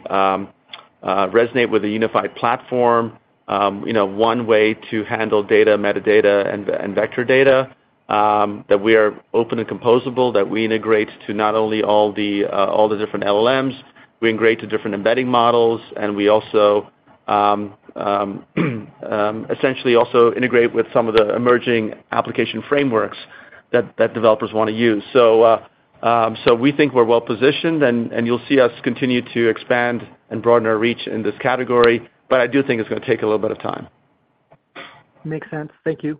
resonate with a unified platform. You know, one way to handle data, metadata, and vector data that we are open and composable, that we integrate to not only all the different LLMs, we integrate to different embedding models, and we also essentially also integrate with some of the emerging application frameworks that developers want to use. So, we think we're well positioned, and you'll see us continue to expand and broaden our reach in this category, but I do think it's gonna take a little bit of time. Makes sense. Thank you.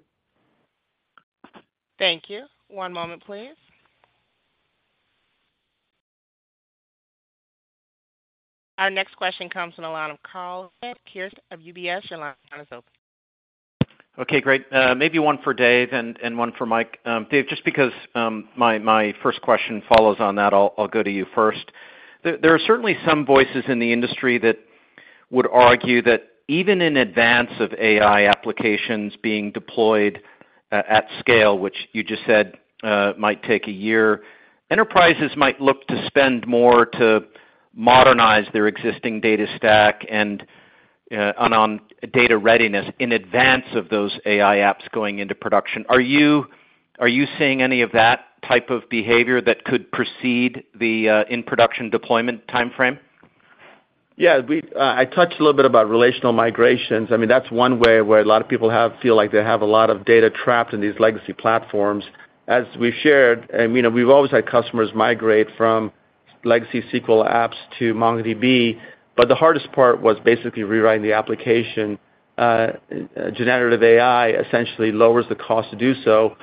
Thank you. One moment, please. Our next question comes from the line of Karl Keirstead of UBS. Your line is open. Okay, great. Maybe one for Dev and one for Mike. Dev, just because my first question follows on that, I'll go to you first. There are certainly some voices in the industry that would argue that even in advance of AI applications being deployed at scale, which you just said might take a year, enterprises might look to spend more to modernize their existing data stack and on data readiness in advance of those AI apps going into production. Are you seeing any of that type of behavior that could precede the in production deployment timeframe? Yeah, I touched a little bit about relational migrations. I mean, that's one way where a lot of people feel like they have a lot of data trapped in these legacy platforms. As we've shared, and, you know, we've always had customers migrate from legacy SQL apps to MongoDB, but the hardest part was basically rewriting the application. Generative AI essentially lowers the cost to do so.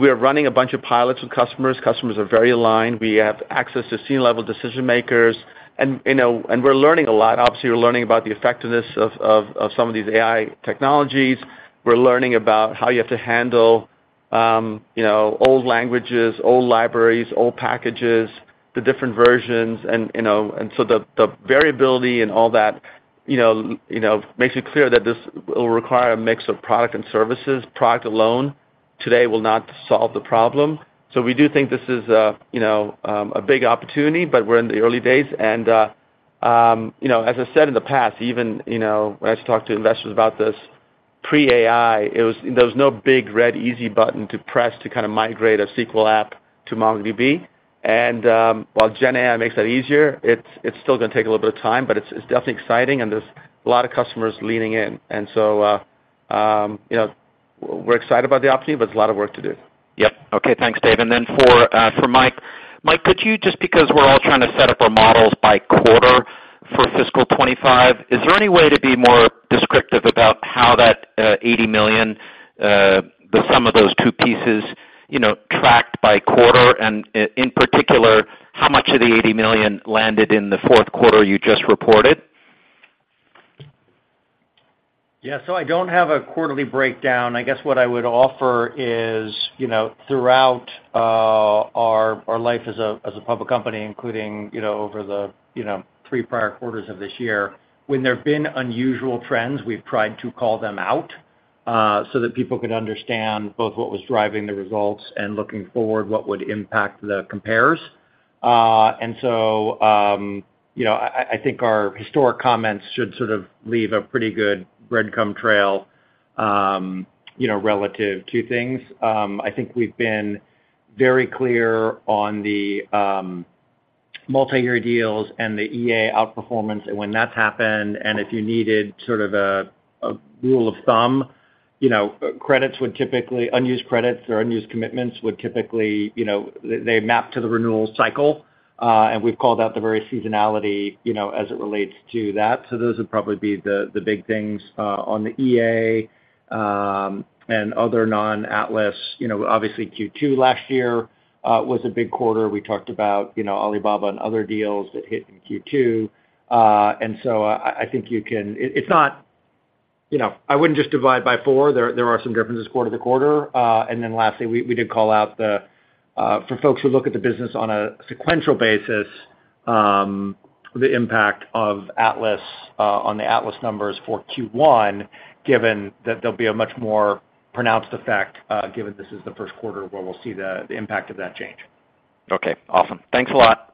We are running a bunch of pilots with customers. Customers are very aligned. We have access to C-level decision makers, and, you know, and we're learning a lot. Obviously, we're learning about the effectiveness of some of these AI technologies. We're learning about how you have to handle, you know, old languages, old libraries, old packages, the different versions, and, you know... And so the variability and all that, you know, you know, makes it clear that this will require a mix of product and services. Product alone today will not solve the problem. So we do think this is, you know, a big opportunity, but we're in the early days, and, you know, as I said in the past, even, you know, when I talked to investors about this pre-AI, it was. There was no big, red, easy button to press to kind of migrate a SQL app to MongoDB. And while Gen AI makes that easier, it's still gonna take a little bit of time, but it's definitely exciting, and there's a lot of customers leaning in. And so, you know, we're excited about the opportunity, but it's a lot of work to do. Yep. Okay, thanks, Dev. And then for Mike. Mike, could you just because we're all trying to set up our models by quarter for fiscal 2025, is there any way to be more descriptive about how that $80 million, the sum of those two pieces, you know, tracked by quarter? And in particular, how much of the $80 million landed in the Q4 you just reported? Yeah, so I don't have a quarterly breakdown. I guess what I would offer is, you know, throughout our life as a public company, including, you know, over the, you know, three prior quarters of this year, when there have been unusual trends, we've tried to call them out, so that people could understand both what was driving the results and looking forward, what would impact the compares. And so, you know, I think our historic comments should sort of leave a pretty good breadcrumb trail, you know, relative to things. I think we've been very clear on the multiyear deals and the EA outperformance and when that's happened, and if you needed sort of a rule of thumb, you know, credits would typically unused credits or unused commitments would typically, you know, they map to the renewal cycle, and we've called out the very seasonality, you know, as it relates to that. So those would probably be the big things on the EA and other non-Atlas. You know, obviously, Q2 last year was a big quarter. We talked about, you know, Alibaba and other deals that hit in Q2. And so I think you can - it's not. You know, I wouldn't just divide by four. There are some differences quarter to quarter. And then lastly, we did call out, for folks who look at the business on a sequential basis, the impact of Atlas on the Atlas numbers for Q1, given that there'll be a much more pronounced effect, given this is the Q1 where we'll see the impact of that change. Okay, awesome. Thanks a lot.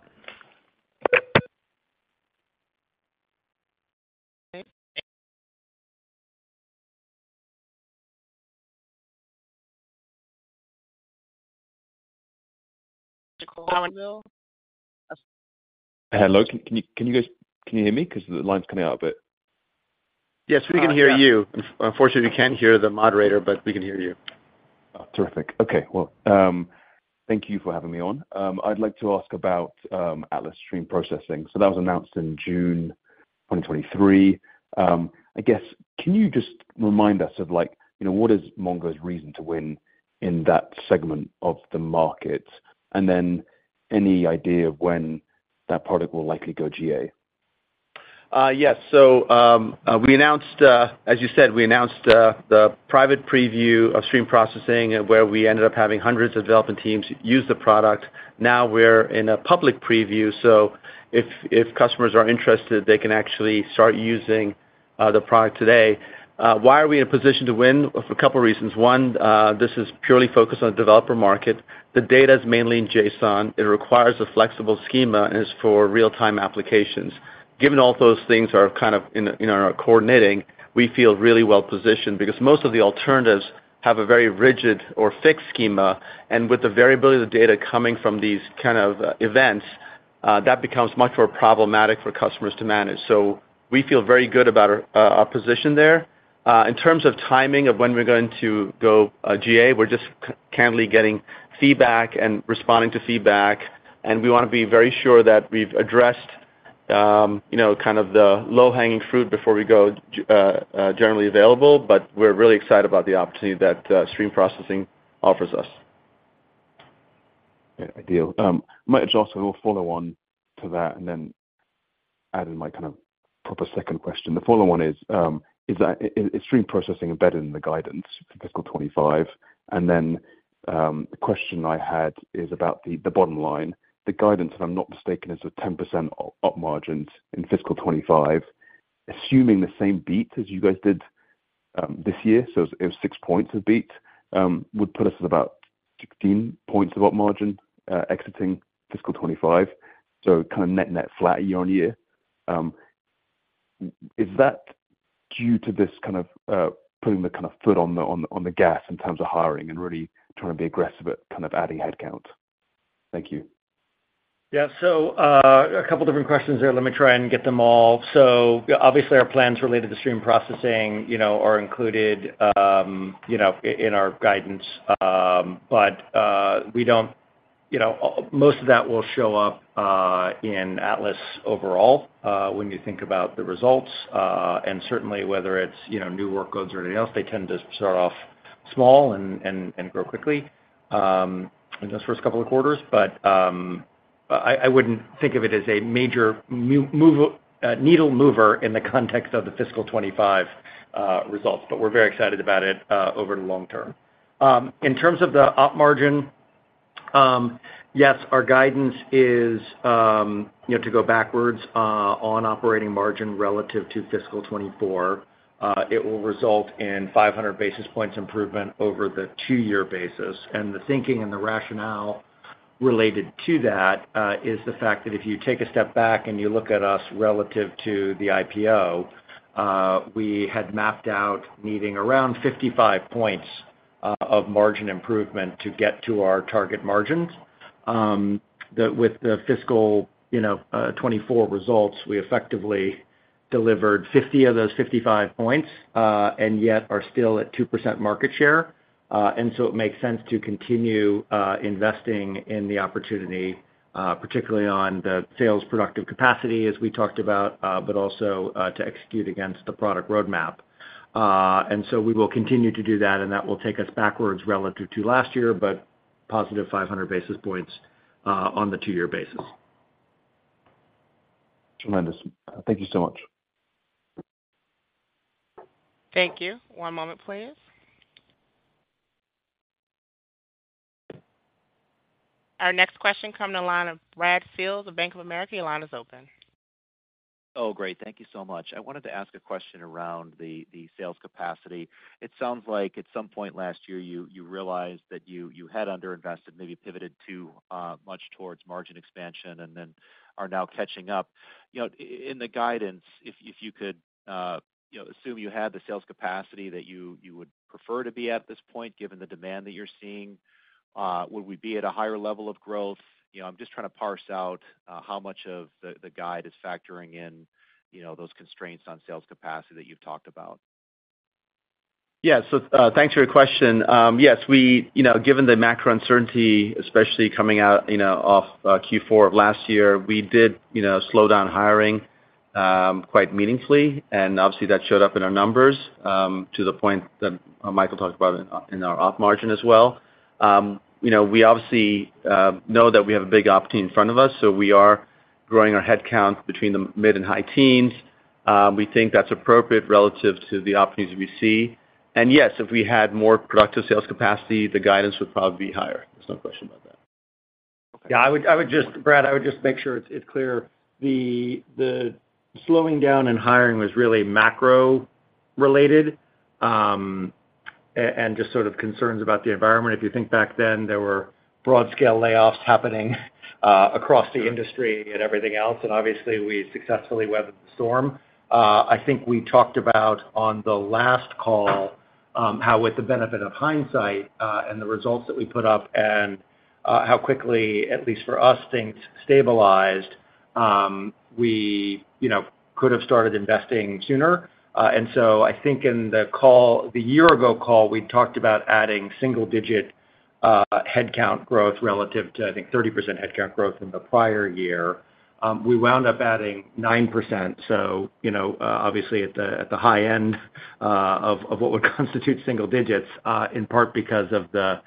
Hello, can you guys hear me? Because the line's coming out a bit. Yes, we can hear you. Unfortunately, we can't hear the moderator, but we can hear you. Oh, terrific. Okay, well, thank you for having me on. I'd like to ask about Atlas Stream Processing. So that was announced in June 2023. I guess, can you just remind us of, like, you know, what is Mongo's reason to win in that segment of the market? And then any idea of when that product will likely go GA? Yes. So, we announced, as you said, we announced, the private preview of stream processing, where we ended up having hundreds of development teams use the product. Now we're in a public preview, so if customers are interested, they can actually start using, the product today. Why are we in a position to win? For a couple reasons. One, this is purely focused on developer market. The data is mainly in JSON. It requires a flexible schema and is for real-time applications. Given all those things are kind of in, you know, are coordinating, we feel really well positioned because most of the alternatives have a very rigid or fixed schema, and with the variability of the data coming from these kind of events, that becomes much more problematic for customers to manage. So we feel very good about our position there. In terms of timing of when we're going to go GA, we're just currently getting feedback and responding to feedback, and we wanna be very sure that we've addressed, you know, kind of the low-hanging fruit before we go generally available, but we're really excited about the opportunity that stream processing offers us. Yeah, ideal. Might just also follow on to that and then add in my kind of proper second question. The follow-on one is, is that, is stream processing embedded in the guidance for fiscal 2025? And then, the question I had is about the bottom line. The guidance, if I'm not mistaken, is a 10% op margins in fiscal 2025. Assuming the same beat as you guys did this year, so it was 6 points of beat, would put us at about 16 points of op margin exiting fiscal 2025, so kind of net flat year-on-year. Is that due to this kind of putting the kind of foot on the gas in terms of hiring and really trying to be aggressive at kind of adding headcount? Thank you. Yeah. So, a couple different questions there. Let me try and get them all. So obviously, our plans related to stream processing, you know, are included, you know, in our guidance, but, we don't... You know, most of that will show up in Atlas overall, when you think about the results, and certainly whether it's, you know, new workloads or anything else, they tend to start off small and grow quickly in the first couple of quarters. But, I wouldn't think of it as a major move, needle mover in the context of the fiscal 25, results, but we're very excited about it over the long term. In terms of the op margin, yes, our guidance is, you know, to go backwards on operating margin relative to fiscal 24. It will result in 500 basis points improvement over the two-year basis. And the thinking and the rationale related to that, is the fact that if you take a step back and you look at us relative to the IPO, we had mapped out needing around 55 points, of margin improvement to get to our target margins. With the fiscal, you know, 2024 results, we effectively delivered 50 of those 55 points, and yet are still at 2% market share. And so it makes sense to continue, investing in the opportunity, particularly on the sales productive capacity, as we talked about, but also, to execute against the product roadmap. And so we will continue to do that, and that will take us backwards relative to last year, but positive 500 basis points on the two year basis. Tremendous. Thank you so much. Thank you. One moment, please. Our next question comes from the line of Brad Sills of Bank of America. Your line is open. Oh, great. Thank you so much. I wanted to ask a question around the sales capacity. It sounds like at some point last year, you realized that you had underinvested, maybe pivoted to much towards margin expansion and then are now catching up. You know, in the guidance, if you could, you know, assume you had the sales capacity that you would prefer to be at this point, given the demand that you're seeing, would we be at a higher level of growth? You know, I'm just trying to parse out how much of the guide is factoring in, you know, those constraints on sales capacity that you've talked about. Yeah. So, thanks for your question. Yes, we, you know, given the macro uncertainty, especially coming out, you know, off, Q4 of last year, we did, you know, slow down hiring, quite meaningfully, and obviously, that showed up in our numbers, to the point that, Michael talked about in our op margin as well. You know, we obviously, know that we have a big opportunity in front of us, so we are growing our headcount between the mid and high teens. We think that's appropriate relative to the opportunities we see. And yes, if we had more productive sales capacity, the guidance would probably be higher. There's no question about that. Yeah, I would just—Brad, I would just make sure it's clear. The slowing down in hiring was really macro related, and just sort of concerns about the environment. If you think back then, there were broad scale layoffs happening across the industry and everything else, and obviously, we successfully weathered the storm. I think we talked about on the last call, how with the benefit of hindsight, and the results that we put up and, how quickly, at least for us, things stabilized, we, you know, could have started investing sooner. And so I think in the call, the year ago call, we talked about adding single digit headcount growth relative to, I think, 30% headcount growth in the prior year. We wound up adding 9%, so you know, obviously at the high end of what would constitute single digits, in part because of the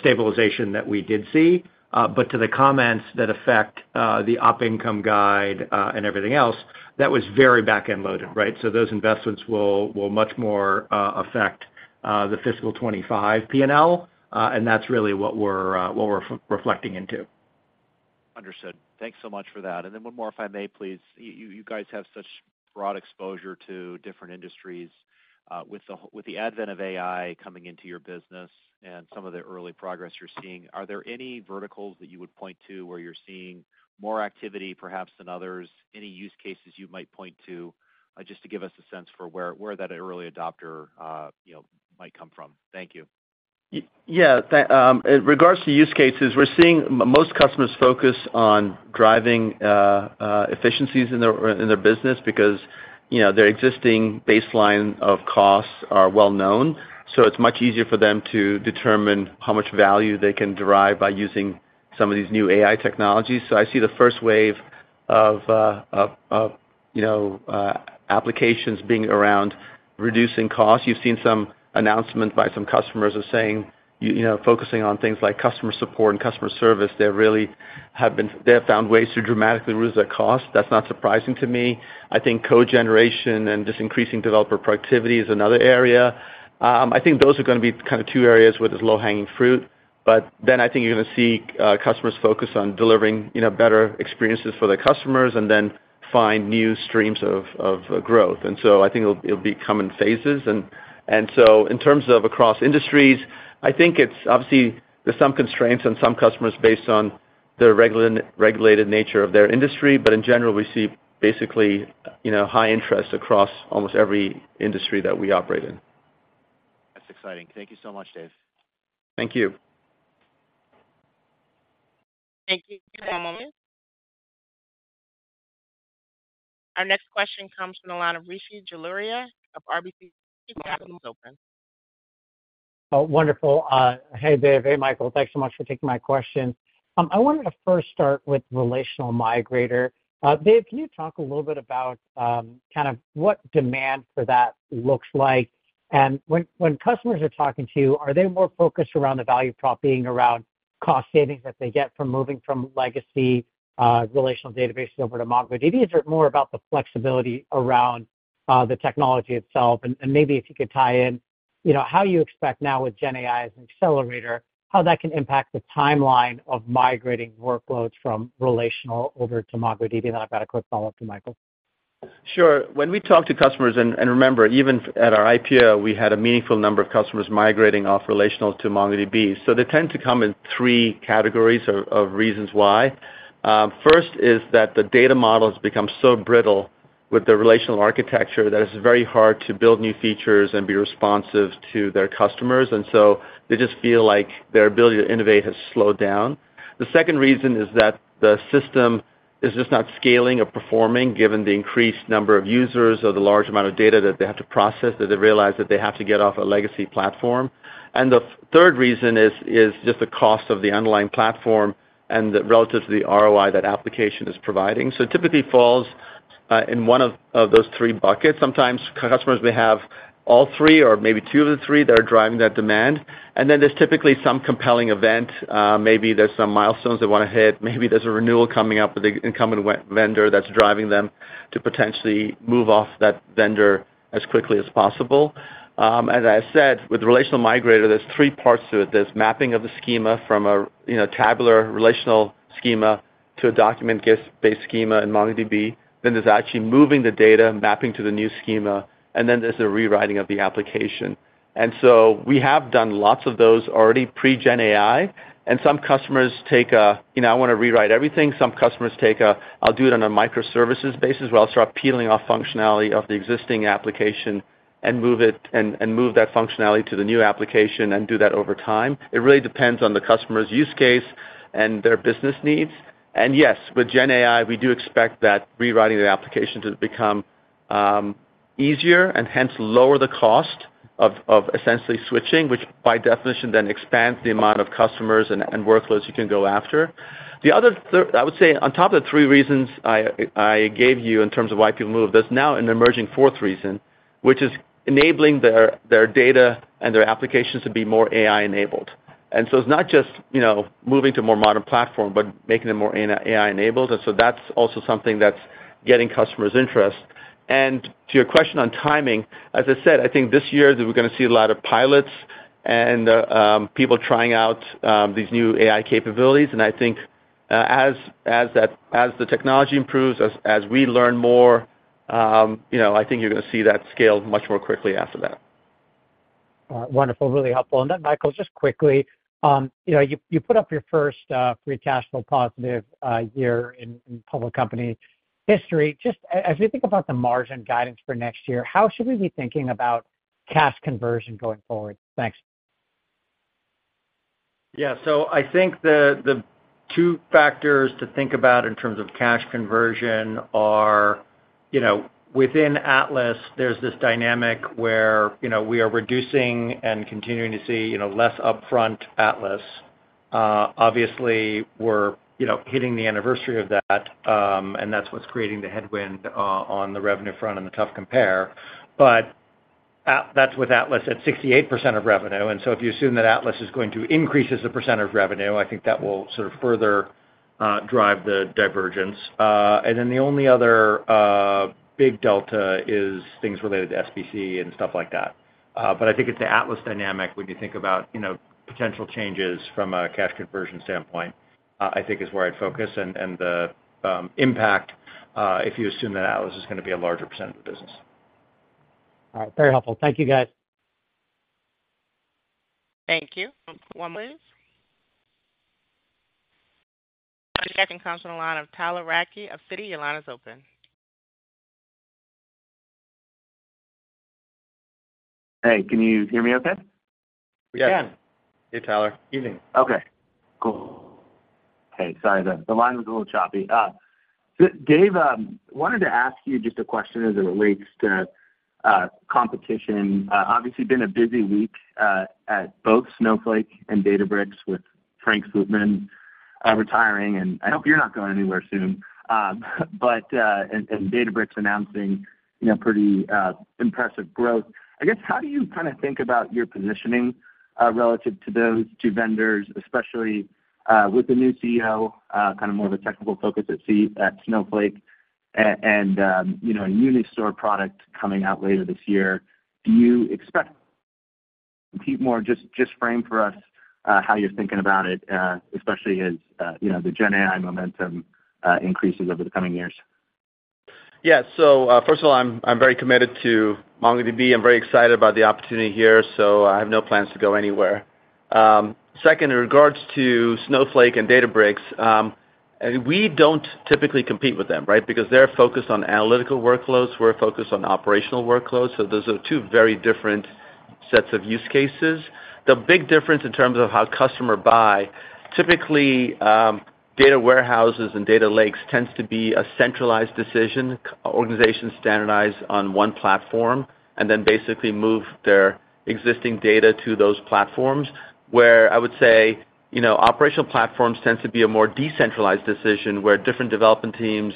stabilization that we did see. But to the comments that affect the op income guide, and everything else, that was very back-end loaded, right? So those investments will much more affect the fiscal 2025 P&L, and that's really what we're reflecting into. Understood. Thanks so much for that. And then one more, if I may, please. You guys have such broad exposure to different industries. With the advent of AI coming into your business and some of the early progress you're seeing, are there any verticals that you would point to where you're seeing more activity, perhaps, than others? Any use cases you might point to, just to give us a sense for where that early adopter, you know, might come from? Thank you. Yeah. That, in regards to use cases, we're seeing most customers focus on driving efficiencies in their business because, you know, their existing baseline of costs are well known, so it's much easier for them to determine how much value they can derive by using some of these new AI technologies. So I see the first wave of, you know, applications being around reducing costs. You've seen some announcement by some customers as saying, you know, focusing on things like customer support and customer service. They really have found ways to dramatically reduce their cost. That's not surprising to me. I think code generation and just increasing developer productivity is another area. I think those are gonna be kind of two areas where there's low-hanging fruit, but then I think you're gonna see customers focus on delivering, you know, better experiences for their customers and then find new streams of growth. And so I think it'll be coming in phases. And so in terms of across industries, I think it's obviously there's some constraints on some customers based on the regulated nature of their industry, but in general, we see basically, you know, high interest across almost every industry that we operate in. That's exciting. Thank you so much, Dev. Thank you. Thank you. One moment. Our next question comes from the line of Rishi Jaluria of RBC. Your line is open. Oh, wonderful. Hey, Dev. Hey, Michael. Thanks so much for taking my question. I wanted to first start with Relational Migrator. Dev, can you talk a little bit about, kind of what demand for that looks like? And when customers are talking to you, are they more focused around the value prop, being around cost savings that they get from moving from legacy, relational databases over to MongoDB? Is it more about the flexibility around, the technology itself? And maybe if you could tie in, you know, how you expect now with GenAI as an accelerator, how that can impact the timeline of migrating workloads from relational over to MongoDB. Then I've got a quick follow-up to Michael. Sure. When we talk to customers, and remember, even at our IPO, we had a meaningful number of customers migrating off relational to MongoDB. So they tend to come in three categories of reasons why. First is that the data models become so brittle with the relational architecture that it's very hard to build new features and be responsive to their customers, and so they just feel like their ability to innovate has slowed down. The second reason is that the system is just not scaling or performing, given the increased number of users or the large amount of data that they have to process, that they realize that they have to get off a legacy platform. And the third reason is just the cost of the underlying platform and the relative to the ROI that application is providing. So it typically falls... In one of those three buckets. Sometimes customers may have all three or maybe two of the three that are driving that demand, and then there's typically some compelling event. Maybe there's some milestones they wanna hit, maybe there's a renewal coming up with the incumbent vendor that's driving them to potentially move off that vendor as quickly as possible. As I said, with Relational Migrator, there's three parts to it. There's mapping of the schema from a, you know, tabular relational schema to a document-based schema in MongoDB. Then there's actually moving the data, mapping to the new schema, and then there's the rewriting of the application. And so we have done lots of those already pre-Gen AI, and some customers take a, you know, I wanna rewrite everything. Some customers take, I'll do it on a microservices basis, where I'll start peeling off functionality of the existing application and move it, and move that functionality to the new application and do that over time. It really depends on the customer's use case and their business needs. Yes, with Gen AI, we do expect that rewriting the application to become easier and hence lower the cost of essentially switching, which by definition then expands the amount of customers and workloads you can go after. I would say, on top of the three reasons I gave you in terms of why people move, there's now an emerging fourth reason, which is enabling their data and their applications to be more AI-enabled. So it's not just, you know, moving to a more modern platform, but making them more AI-enabled, and so that's also something that's getting customers' interest. And to your question on timing, as I said, I think this year that we're gonna see a lot of pilots and people trying out these new AI capabilities. And I think as the technology improves, as we learn more, you know, I think you're gonna see that scale much more quickly after that. Wonderful. Really helpful. And then, Michael, just quickly, you know, you put up your first free cash flow positive year in public company history. Just as you think about the margin guidance for next year, how should we be thinking about cash conversion going forward? Thanks. Yeah. So I think the two factors to think about in terms of cash conversion are, you know, within Atlas, there's this dynamic where, you know, we are reducing and continuing to see, you know, less upfront Atlas. Obviously, we're, you know, hitting the anniversary of that, and that's what's creating the headwind on the revenue front and the tough compare. But that's with Atlas at 68% of revenue, and so if you assume that Atlas is going to increase as a percent of revenue, I think that will sort of further drive the divergence. And then the only other big delta is things related to SBC and stuff like that. But I think it's the Atlas dynamic when you think about, you know, potential changes from a cash conversion standpoint. I think is where I'd focus and the impact if you assume that Atlas is gonna be a larger percent of the business. All right. Very helpful. Thank you, guys. Thank you. One more please. Second comes from the line of Tyler Radke of Citi. Your line is open. Hey, can you hear me okay? We can. Hey, Tyler. Evening. Okay, cool. Hey, sorry about that. The line was a little choppy. Dev wanted to ask you just a question as it relates to competition. Obviously, been a busy week at both Snowflake and Databricks, with Frank Slootman retiring, and I hope you're not going anywhere soon. But Databricks announcing, you know, pretty impressive growth. I guess, how do you kinda think about your positioning relative to those two vendors, especially with the new CEO kind of more of a technical focus at Snowflake, and you know, a Unistore product coming out later this year? Just frame for us how you're thinking about it, especially as you know, the Gen AI momentum increases over the coming years. Yeah. So, first of all, I'm very committed to MongoDB. I'm very excited about the opportunity here, so I have no plans to go anywhere. Second, in regards to Snowflake and Databricks, we don't typically compete with them, right? Because they're focused on analytical workloads, we're focused on operational workloads, so those are two very different sets of use cases. The big difference in terms of how customer buy, typically, data warehouses and data lakes tends to be a centralized decision. Organizations standardize on one platform, and then basically move their existing data to those platforms. Where I would say, you know, operational platforms tends to be a more decentralized decision, where different development teams,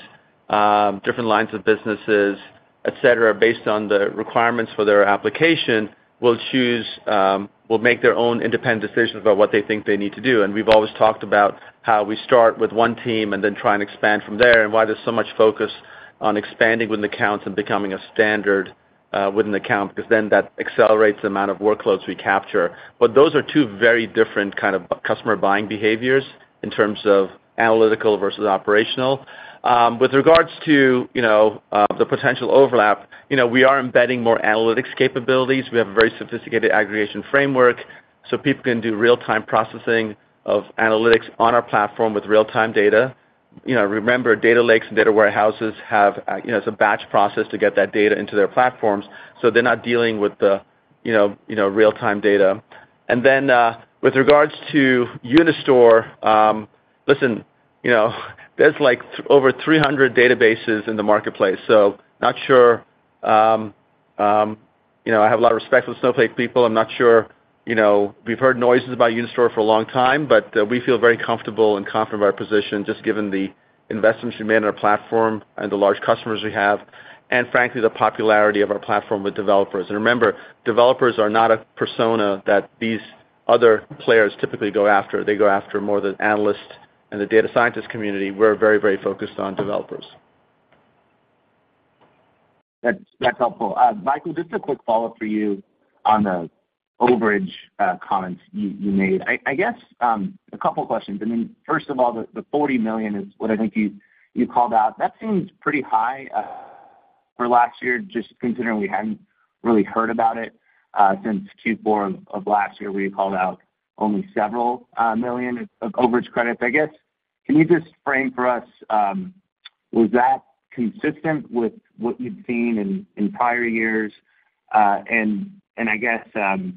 different lines of businesses, etc, based on the requirements for their application, will choose, will make their own independent decisions about what they think they need to do. And we've always talked about how we start with one team and then try and expand from there, and why there's so much focus on expanding within accounts and becoming a standard, with an account, because then that accelerates the amount of workloads we capture. But those are two very different kind of customer buying behaviors in terms of analytical versus operational. With regards to, you know, the potential overlap, you know, we are embedding more analytics capabilities. We have a very sophisticated aggregation framework, so people can do real-time processing of analytics on our platform with real-time data. You know, remember, data lakes and data warehouses have, you know, it's a batch process to get that data into their platforms, so they're not dealing with the, you know, real-time data. And then, with regards to Unistore, listen, you know, there's like over 300 databases in the marketplace, so not sure. You know, I have a lot of respect for the Snowflake people. I'm not sure, you know, we've heard noises about Unistore for a long time, but, we feel very comfortable and confident in our position, just given the investments we made in our platform and the large customers we have, and frankly, the popularity of our platform with developers. Remember, developers are not a persona that these other players typically go after. They go after more the analyst and the data scientist community. We're very focused on developers. That's helpful. Michael, just a quick follow-up for you on the overage comments you made. I guess a couple questions. I mean, first of all, the $40 million is what I think you called out. That seems pretty high for last year, just considering we hadn't really heard about it since Q4 of last year, where you called out only several million of overage credits. I guess, can you just frame for us, was that consistent with what you've seen in prior years? And I guess, you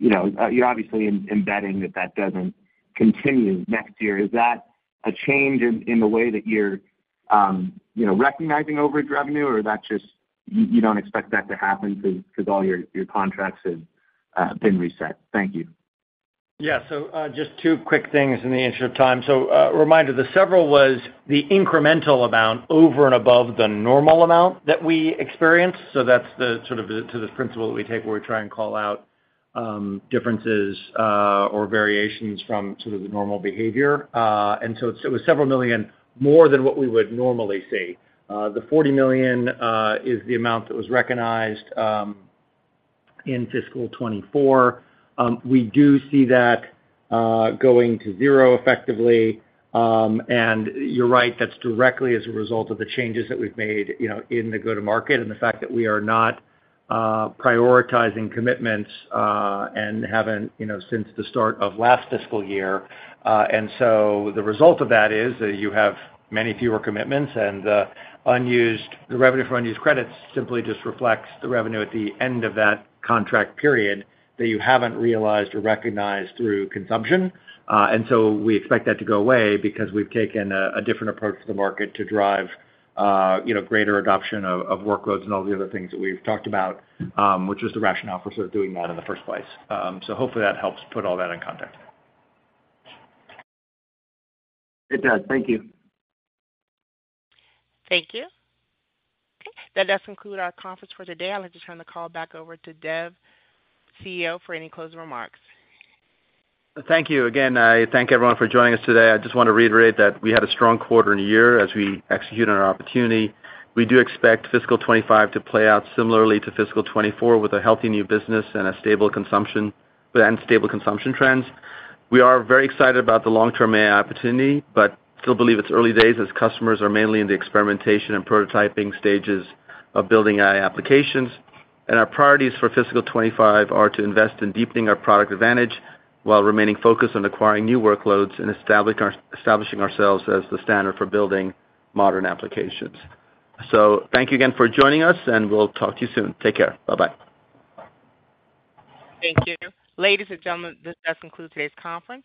know, you're obviously embedding that that doesn't continue next year. Is that a change in the way that you're you know, recognizing overage revenue, or that's just you don't expect that to happen because all your contracts have been reset? Thank you. Yeah. Just two quick things in the interest of time. Reminder, the several was the incremental amount over and above the normal amount that we experienced. That's the sort of to the principle that we take, where we try and call out differences or variations from sort of the normal behavior. And so it was several million dollar more than what we would normally see. The $40 million is the amount that was recognized in fiscal 2024. We do see that going to zero effectively. And you're right, that's directly as a result of the changes that we've made, you know, in the go-to-market, and the fact that we are not prioritizing commitments and haven't, you know, since the start of last fiscal year. And so the result of that is that you have many fewer commitments, and unused, the revenue for unused credits simply just reflects the revenue at the end of that contract period that you haven't realized or recognized through consumption. And so we expect that to go away because we've taken a different approach to the market to drive, you know, greater adoption of workloads and all the other things that we've talked about, which is the rationale for sort of doing that in the first place. So hopefully, that helps put all that in context. It does. Thank you. Thank you. Okay. That does conclude our conference for today. I'd like to turn the call back over to Dev, CEO, for any closing remarks. Thank you. Again, I thank everyone for joining us today. I just want to reiterate that we had a strong quarter and year as we execute on our opportunity. We do expect fiscal 2025 to play out similarly to fiscal 2024, with a healthy new business and a stable consumption, and stable consumption trends. We are very excited about the long-term AI opportunity, but still believe it's early days, as customers are mainly in the experimentation and prototyping stages of building AI applications. Our priorities for fiscal 2025 are to invest in deepening our product advantage, while remaining focused on acquiring new workloads and establish our - establishing ourselves as the standard for building modern applications. So thank you again for joining us, and we'll talk to you soon. Take care. Bye-bye. Thank you. Ladies and gentlemen, this does conclude today's conference.